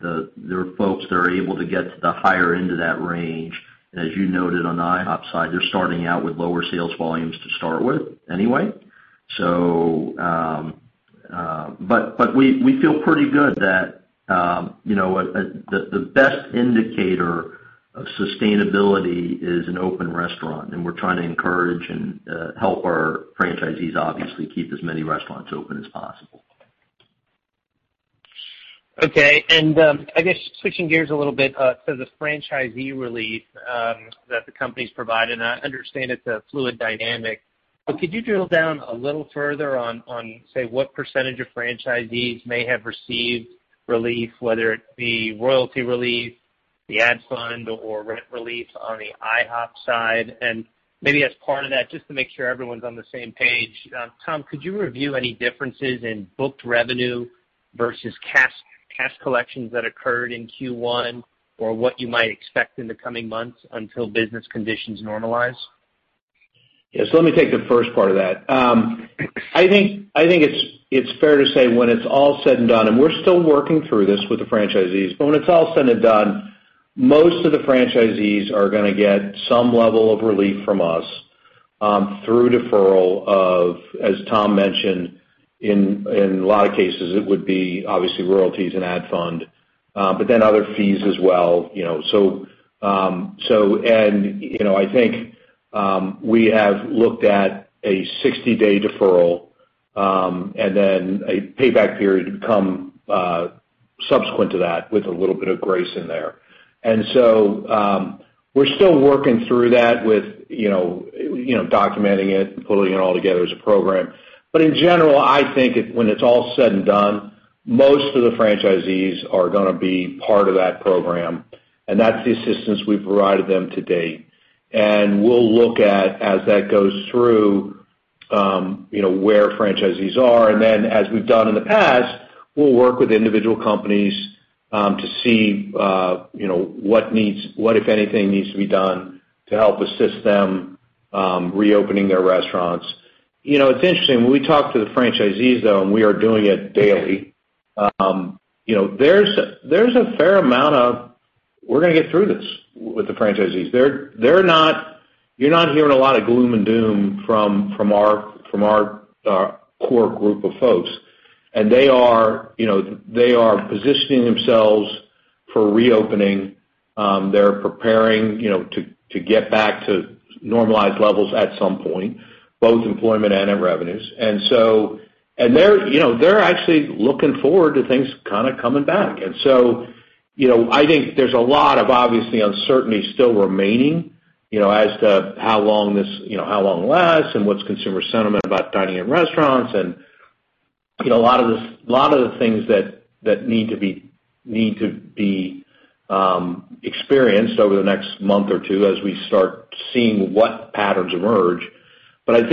there are folks that are able to get to the higher end of that range. As you noted on the IHOP side, they're starting out with lower sales volumes to start with anyway. We feel pretty good that the best indicator of sustainability is an open restaurant, and we're trying to encourage and help our franchisees obviously keep as many restaurants open as possible. Okay. I guess switching gears a little bit to the franchisee relief that the company's provided, and I understand it's a fluid dynamic, but could you drill down a little further on, say, what percentage of franchisees may have received relief, whether it be royalty relief, the ad fund or rent relief on the IHOP side? Maybe as part of that, just to make sure everyone's on the same page, Tom, could you review any differences in booked revenue versus cash collections that occurred in Q1 or what you might expect in the coming months until business conditions normalize? Yes. Let me take the first part of that. I think it's fair to say when it's all said and done, and we're still working through this with the franchisees, but when it's all said and done, most of the franchisees are going to get some level of relief from us through deferral of, as Tom mentioned, in a lot of cases, it would be obviously royalties and ad fund, but then other fees as well. I think we have looked at a 60-day deferral, and then a payback period come subsequent to that with a little bit of grace in there. We're still working through that with documenting it and pulling it all together as a program. In general, I think when it's all said and done, most of the franchisees are going to be part of that program, and that's the assistance we've provided them to date. We'll look at, as that goes through, where franchisees are. Then as we've done in the past, we'll work with individual companies to see what, if anything, needs to be done to help assist them reopening their restaurants. It's interesting, when we talk to the franchisees, though, and we are doing it daily, there's a fair amount of, "We're going to get through this" with the franchisees. You're not hearing a lot of gloom and doom from our core group of folks. They are positioning themselves for reopening. They're preparing to get back to normalized levels at some point, both employment and in revenues. They're actually looking forward to things kind of coming back. I think there's a lot of obviously uncertainty still remaining as to how long this lasts and what's consumer sentiment about dining in restaurants, and a lot of the things that need to be experienced over the next month or two as we start seeing what patterns emerge. I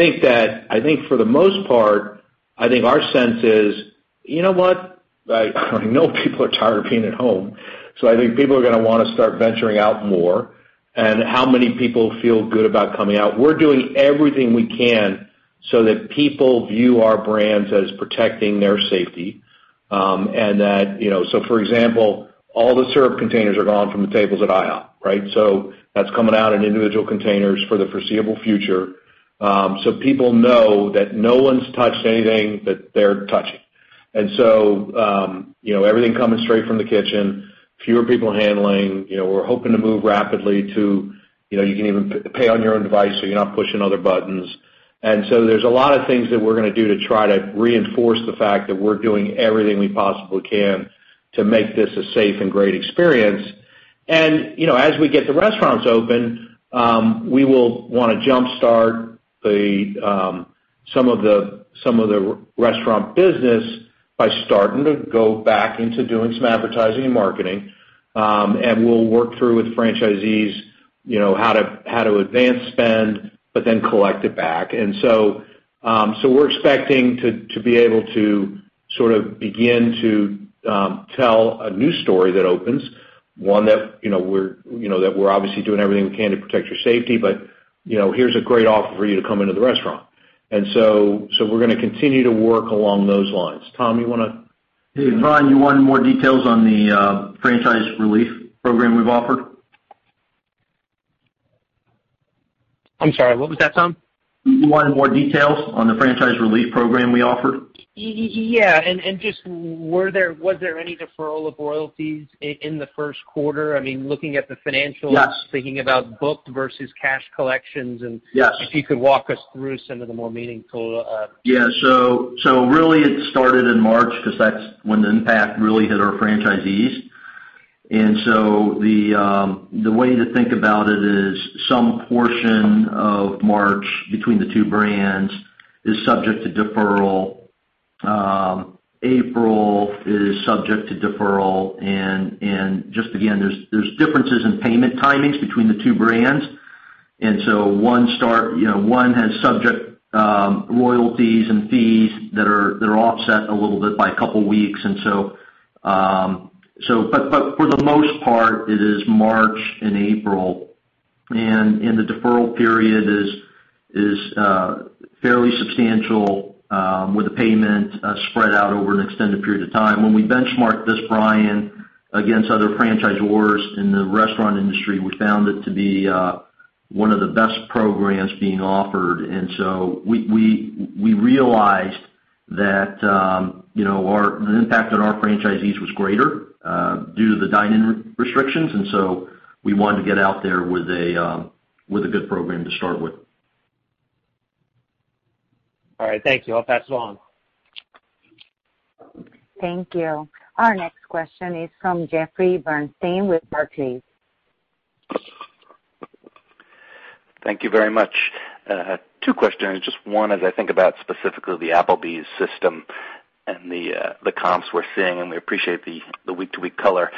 think for the most part, I think our sense is, you know what? I know people are tired of being at home, so I think people are going to want to start venturing out more. How many people feel good about coming out? We're doing everything we can so that people view our brands as protecting their safety. For example, all the syrup containers are gone from the tables at IHOP, right? That's coming out in individual containers for the foreseeable future, so people know that no one's touched anything that they're touching. Everything coming straight from the kitchen, fewer people handling. We're hoping to move rapidly to, you can even pay on your own device so you're not pushing other buttons. There's a lot of things that we're going to do to try to reinforce the fact that we're doing everything we possibly can to make this a safe and great experience. As we get the restaurants open, we will want to jumpstart some of the restaurant business by starting to go back into doing some advertising and marketing. We'll work through with franchisees how to advance spend, but then collect it back. We're expecting to be able to sort of begin to tell a new story that opens, one that we're obviously doing everything we can to protect your safety, but here's a great offer for you to come into the restaurant. We're going to continue to work along those lines. Tom, you want to? Yeah, Brian, you wanted more details on the franchise relief program we've offered? I'm sorry, what was that, Tom? You wanted more details on the franchise relief program we offer? Yeah. Just was there any deferral of royalties in the first quarter? I mean, looking at the financials. Yes. Thinking about booked versus cash collections. Yes. If you could walk us through some of the more meaningful... Yeah. Really it started in March because that's when the impact really hit our franchisees. The way to think about it is some portion of March between the two brands is subject to deferral. April is subject to deferral, and just again, there's differences in payment timings between the two brands. One has subject royalties and fees that are offset a little bit by a couple of weeks. For the most part, it is March and April, and the deferral period is fairly substantial, with the payment spread out over an extended period of time. When we benchmarked this, Brian, against other franchisors in the restaurant industry, we found it to be one of the best programs being offered. We realized that the impact on our franchisees was greater due to the dine-in restrictions, and so we wanted to get out there with a good program to start with. All right. Thank you. I'll pass it along. Thank you. Our next question is from Jeffrey Bernstein with Barclays. Thank you very much. Two questions. Just one, as I think about specifically the Applebee's system and the comps we're seeing, and we appreciate the week-to-week color.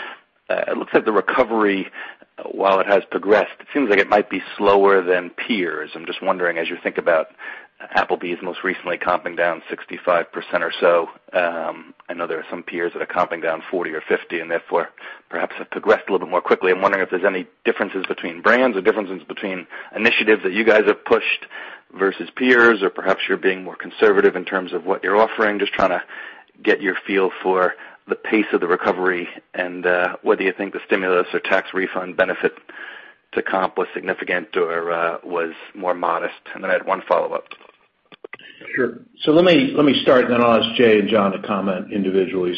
It looks like the recovery, while it has progressed, it seems like it might be slower than peers. I'm just wondering, as you think about Applebee's most recently comping down 65% or so, I know there are some peers that are comping down 40% or 50%, and therefore perhaps have progressed a little bit more quickly. I'm wondering if there's any differences between brands or differences between initiatives that you guys have pushed versus peers, or perhaps you're being more conservative in terms of what you're offering. Just trying to get your feel for the pace of the recovery and whether you think the stimulus or tax refund benefit to comp was significant or was more modest. I had one follow-up. Sure. Let me start, and then I'll ask Jay and John to comment individually.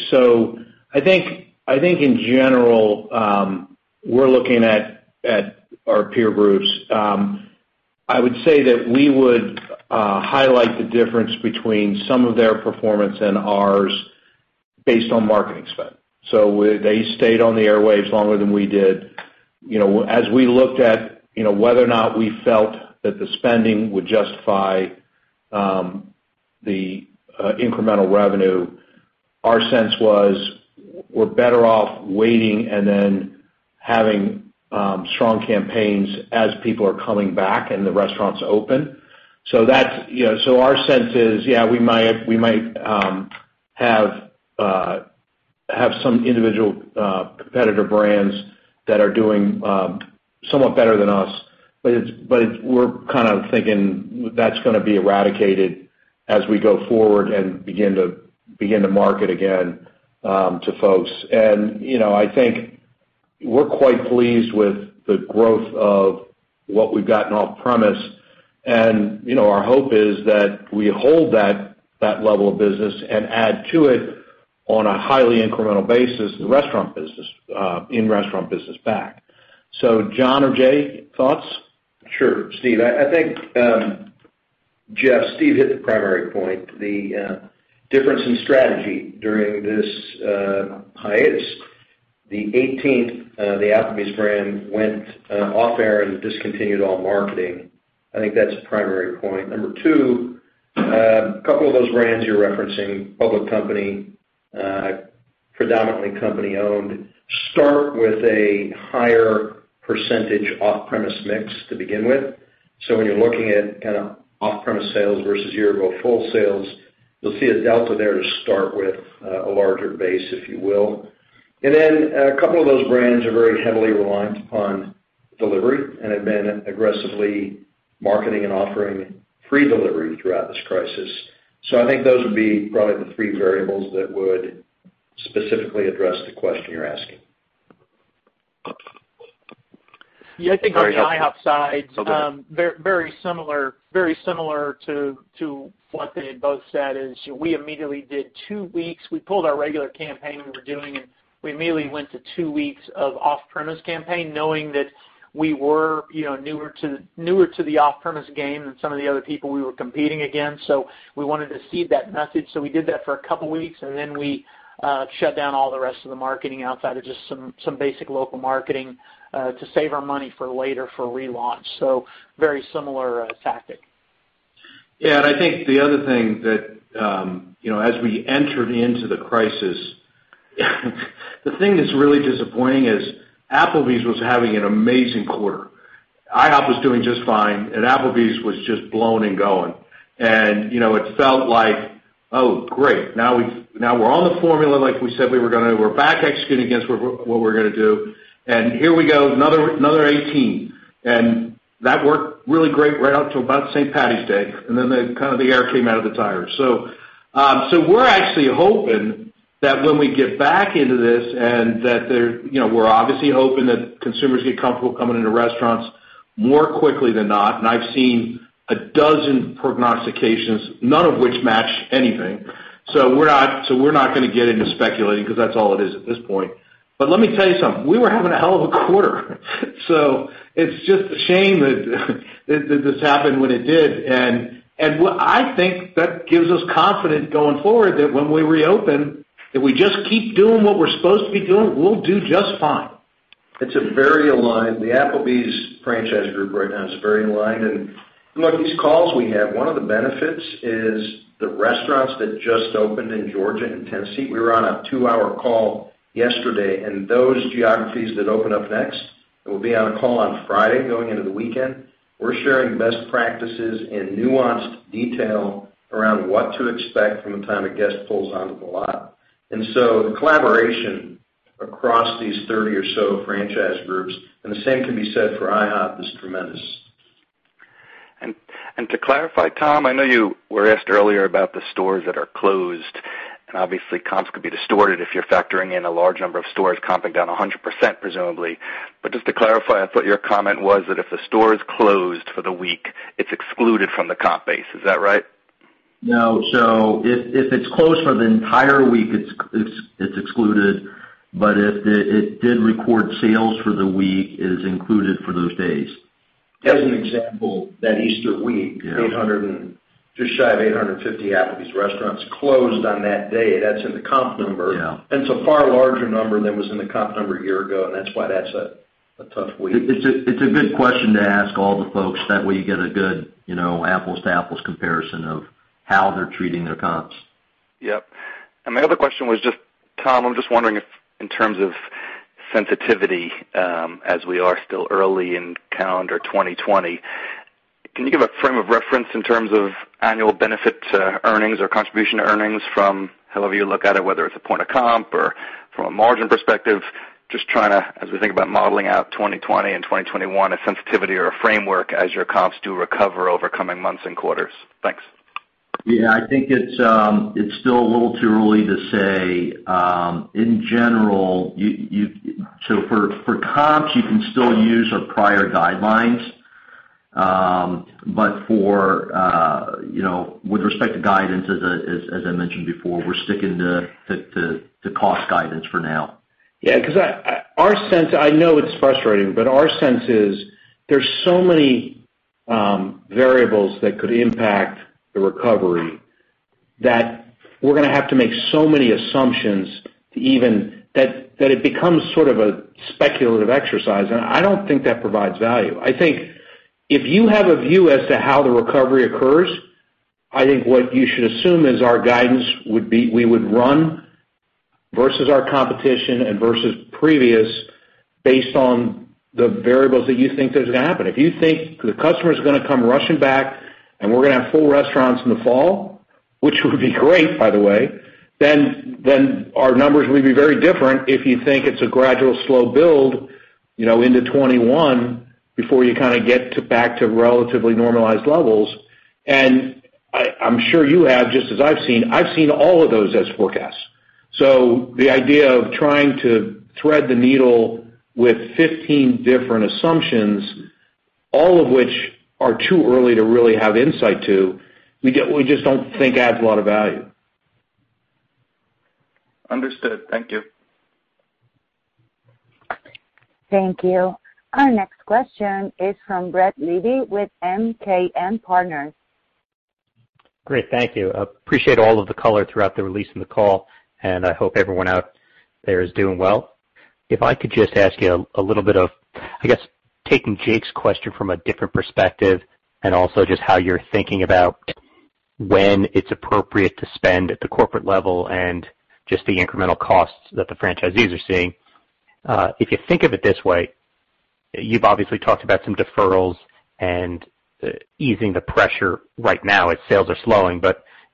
I think in general, we're looking at our peer groups. I would say that we would highlight the difference between some of their performance and ours based on marketing spend. They stayed on the airwaves longer than we did. As we looked at whether or not we felt that the spending would justify the incremental revenue. Our sense was we're better off waiting and then having strong campaigns as people are coming back and the restaurants open. Our sense is, we might have some individual competitor brands that are doing somewhat better than us, but we're kind of thinking that's going to be eradicated as we go forward and begin to market again to folks. I think we're quite pleased with the growth of what we've got in off-premise, and our hope is that we hold that level of business and add to it on a highly incremental basis, the restaurant business, in restaurant business back. John or Jay, thoughts? Sure, Steve. I think, Jeff, Steve hit the primary point. The difference in strategy during this hiatus. The 18th, the Applebee's brand went off air and discontinued all marketing. I think that's a primary point. Number two, a couple of those brands you're referencing, public company, predominantly company owned, start with a higher percentage off-premise mix to begin with. When you're looking at off-premise sales versus year ago full sales, you'll see a delta there to start with, a larger base, if you will. Then a couple of those brands are very heavily reliant upon delivery and have been aggressively marketing and offering free delivery throughout this crisis. I think those would be probably the three variables that would specifically address the question you're asking. I think on the IHOP side, very similar to what they had both said is we immediately did two weeks. We pulled our regular campaign we were doing, and we immediately went to two weeks of off-premise campaign, knowing that we were newer to the off-premise game than some of the other people we were competing against. We wanted to seed that message. We did that for a couple of weeks, and then we shut down all the rest of the marketing outside of just some basic local marketing to save our money for later for relaunch. Very similar tactic. Yeah, I think the other thing that as we entered into the crisis the thing that's really disappointing is Applebee's was having an amazing quarter. IHOP was doing just fine, Applebee's was just blowing and going. It felt like, "Oh, great, now we're on the formula like we said we were going to. We're back executing against what we're going to do, and here we go, another 18." That worked really great right out to about St. Paddy's Day, then the air came out of the tires. We're actually hoping that when we get back into this and that we're obviously hoping that consumers get comfortable coming into restaurants more quickly than not. I've seen a dozen prognostications, none of which match anything. We're not going to get into speculating because that's all it is at this point. Let me tell you something, we were having a hell of a quarter. It's just a shame that this happened when it did. I think that gives us confidence going forward that when we reopen, if we just keep doing what we're supposed to be doing, we'll do just fine. It's very aligned. The Applebee's franchise group right now is very aligned. Look, these calls we have, one of the benefits is the restaurants that just opened in Georgia and Tennessee, we were on a two-hour call yesterday, and those geographies that open up next, will be on a call on Friday going into the weekend. We're sharing best practices in nuanced detail around what to expect from the time a guest pulls onto the lot. The collaboration across these 30 or so franchise groups, and the same can be said for IHOP, is tremendous. To clarify, Tom, I know you were asked earlier about the stores that are closed, and obviously comps could be distorted if you're factoring in a large number of stores comping down 100%, presumably. Just to clarify, I thought your comment was that if the store is closed for the week, it's excluded from the comp base. Is that right? No. If it's closed for the entire week, it's excluded. If it did record sales for the week, it is included for those days. As an example, that Easter week. Yeah. Just shy of 850 Applebee's restaurants closed on that day. That's in the comp number. Yeah. It's a far larger number than was in the comp number a year ago, and that's why that's a tough week. It's a good question to ask all the folks. That way, you get a good apples to apples comparison of how they're treating their comps. Yep. My other question was just, Tom, I'm just wondering if, in terms of sensitivity, as we are still early in calendar 2020, can you give a frame of reference in terms of annual benefit earnings or contribution earnings from however you look at it, whether it's a point of comp or from a margin perspective, just trying to, as we think about modeling out 2020 and 2021, a sensitivity or a framework as your comps do recover over coming months and quarters. Thanks. Yeah, I think it's still a little too early to say. In general, for comps, you can still use our prior guidelines. With respect to guidance, as I mentioned before, we're sticking to cost guidance for now. Yeah, because our sense, I know it's frustrating, but our sense is there's so many variables that could impact the recovery. We're going to have to make so many assumptions that it becomes sort of a speculative exercise, and I don't think that provides value. I think if you have a view as to how the recovery occurs, I think what you should assume is our guidance, we would run versus our competition and versus previous based on the variables that you think that are going to happen. If you think the customer's going to come rushing back and we're going to have full restaurants in the fall, which would be great by the way, then our numbers would be very different if you think it's a gradual slow build into 2021 before you kind of get back to relatively normalized levels. I'm sure you have, just as I've seen, I've seen all of those as forecasts. The idea of trying to thread the needle with 15 different assumptions, all of which are too early to really have insight to, we just don't think adds a lot of value. Understood. Thank you. Thank you. Our next question is from Brett Levy with MKM Partners. Great. Thank you. Appreciate all of the color throughout the release and the call. I hope everyone out there is doing well. If I could just ask you a little bit of, I guess, taking Jake's question from a different perspective. Also just how you're thinking about when it's appropriate to spend at the corporate level and just the incremental costs that the franchisees are seeing. If you think of it this way, you've obviously talked about some deferrals and easing the pressure right now as sales are slowing.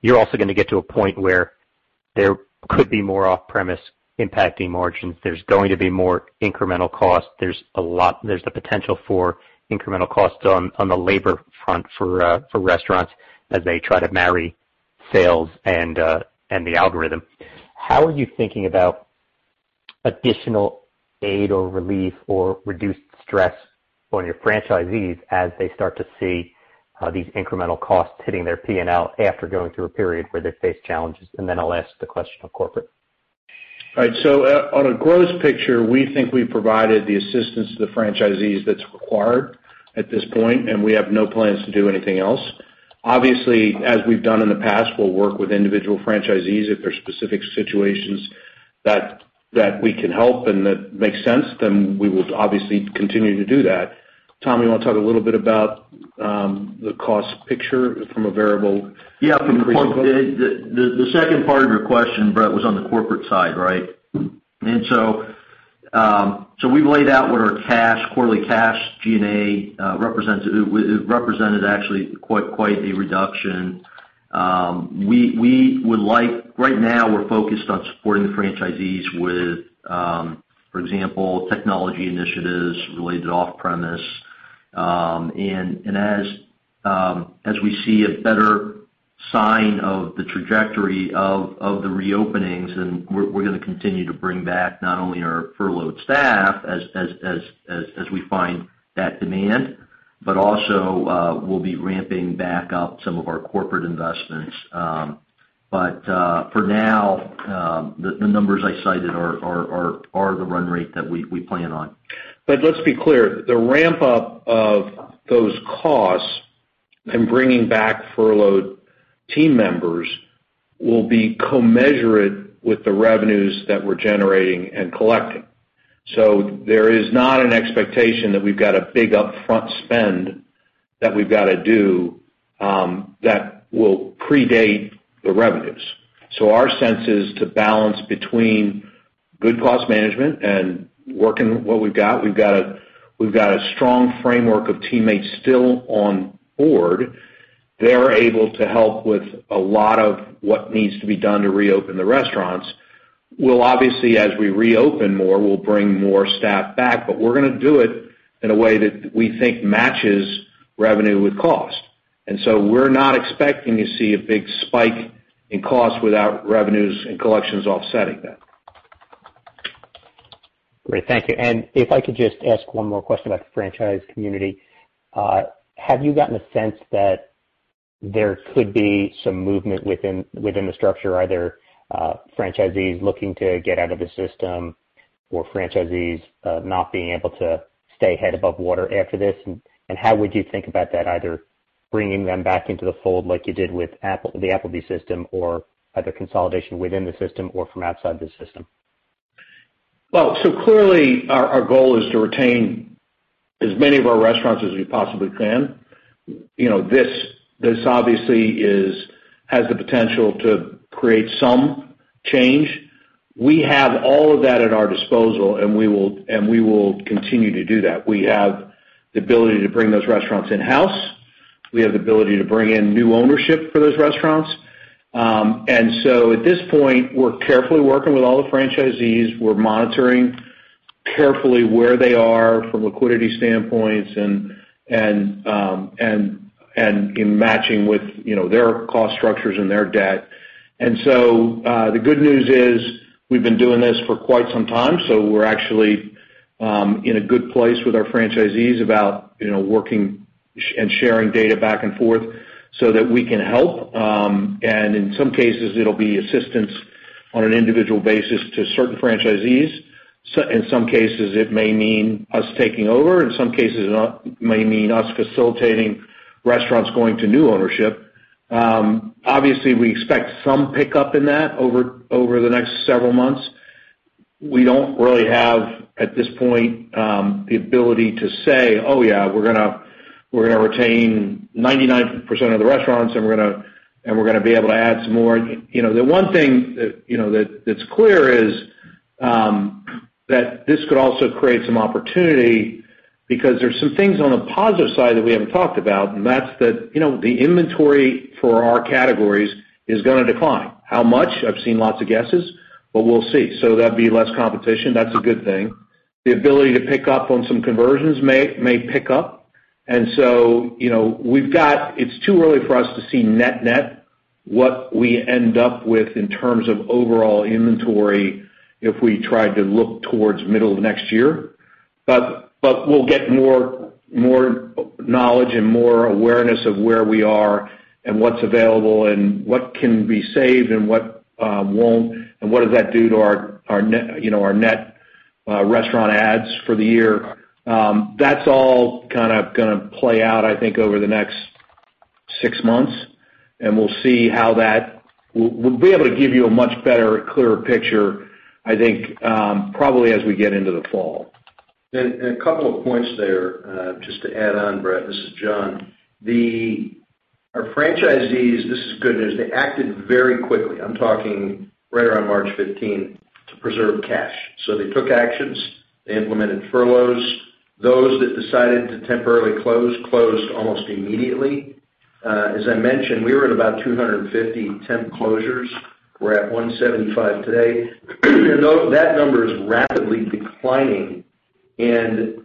You're also going to get to a point where there could be more off-premise impacting margins. There's going to be more incremental costs. There's the potential for incremental costs on the labor front for restaurants as they try to marry sales and the algorithm. How are you thinking about additional aid or relief or reduced stress on your franchisees as they start to see these incremental costs hitting their P&L after going through a period where they face challenges? I'll ask the question of corporate. All right. On a gross picture, we think we've provided the assistance to the franchisees that's required at this point, and we have no plans to do anything else. Obviously, as we've done in the past, we'll work with individual franchisees if there's specific situations that we can help and that makes sense, then we will obviously continue to do that. Tom, you want to talk a little bit about the cost picture from a variable [increase book]? Yeah. The second part of your question, Brett, was on the corporate side, right? We've laid out what our quarterly cash G&A represented actually quite a reduction. Right now, we're focused on supporting the franchisees with, for example, technology initiatives related to off-premise. As we see a better sign of the trajectory of the reopenings and we're going to continue to bring back not only our furloughed staff as we find that demand, but also, we'll be ramping back up some of our corporate investments. For now, the numbers I cited are the run rate that we plan on. Let's be clear. The ramp-up of those costs and bringing back furloughed team members will be [commensurate] with the revenues that we're generating and collecting. There is not an expectation that we've got a big upfront spend that we've got to do that will predate the revenues. Our sense is to balance between good cost management and working what we've got. We've got a strong framework of teammates still on board. They're able to help with a lot of what needs to be done to reopen the restaurants. Obviously, as we reopen more, we'll bring more staff back, but we're going to do it in a way that we think matches revenue with cost. We're not expecting to see a big spike in costs without revenues and collections offsetting that. Great. Thank you. If I could just ask one more question about the franchise community. Have you gotten a sense that there could be some movement within the structure, either franchisees looking to get out of the system or franchisees not being able to stay head above water after this? How would you think about that, either bringing them back into the fold like you did with the Applebee's system, or either consolidation within the system or from outside the system? Well, clearly our goal is to retain as many of our restaurants as we possibly can. This obviously has the potential to create some change. We have all of that at our disposal, and we will continue to do that. We have the ability to bring those restaurants in-house. We have the ability to bring in new ownership for those restaurants. At this point, we're carefully working with all the franchisees. We're monitoring carefully where they are from liquidity standpoints and in matching with their cost structures and their debt. The good news is we've been doing this for quite some time, so we're actually in a good place with our franchisees about working and sharing data back and forth so that we can help. In some cases, it'll be assistance on an individual basis to certain franchisees. In some cases, it may mean us taking over. In some cases, it may mean us facilitating restaurants going to new ownership. Obviously, we expect some pickup in that over the next several months. We don't really have, at this point, the ability to say, "Oh yeah, we're going to retain 99% of the restaurants, and we're going to be able to add some more." The one thing that's clear is that this could also create some opportunity because there's some things on the positive side that we haven't talked about, and that's that the inventory for our categories is going to decline. How much? I've seen lots of guesses, but we'll see. That'd be less competition. That's a good thing. The ability to pick up on some conversions may pick up. It's too early for us to see net-net what we end up with in terms of overall inventory if we tried to look towards middle of next year. We'll get more knowledge and more awareness of where we are and what's available and what can be saved and what won't, and what does that do to our net restaurant adds for the year. That's all going to play out, I think, over the next six months, and we'll be able to give you a much better, clearer picture, I think, probably as we get into the fall. A couple of points there just to add on, Brett. This is John. Our franchisees, this is good news. They acted very quickly, I'm talking right around March 15, to preserve cash. They took actions. They implemented furloughs. Those that decided to temporarily close, closed almost immediately. As I mentioned, we were at about 250 temp closures. We're at 175 today. That number is rapidly declining and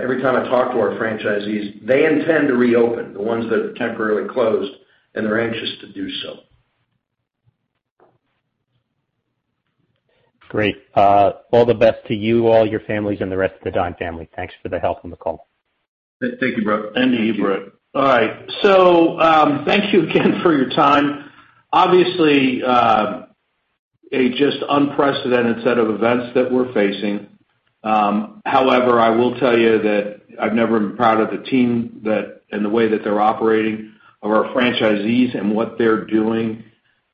every time I talk to our franchisees, they intend to reopen, the ones that are temporarily closed, and they're anxious to do so. Great. All the best to you, all your families, and the rest of the Dine family. Thanks for the help on the call. Thank you, Brett. And to you, Brett. All right. Thank you again for your time. Obviously, a just unprecedented set of events that we're facing. However, I will tell you that I've never been proud of the team and the way that they're operating, of our franchisees and what they're doing.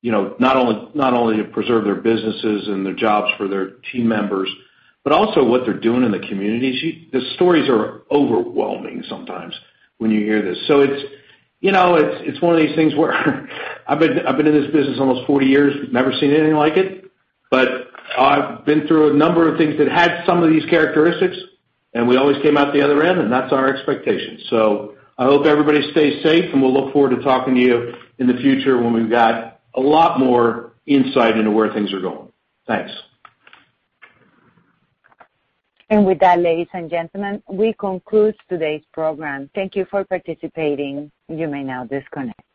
Not only to preserve their businesses and their jobs for their team members, but also what they're doing in the communities. The stories are overwhelming sometimes when you hear this. It's one of these things where I've been in this business almost 40 years, we've never seen anything like it. I've been through a number of things that had some of these characteristics, and we always came out the other end, and that's our expectation. I hope everybody stays safe, and we'll look forward to talking to you in the future when we've got a lot more insight into where things are going. Thanks. With that, ladies and gentlemen, we conclude today's program. Thank you for participating. You may now disconnect.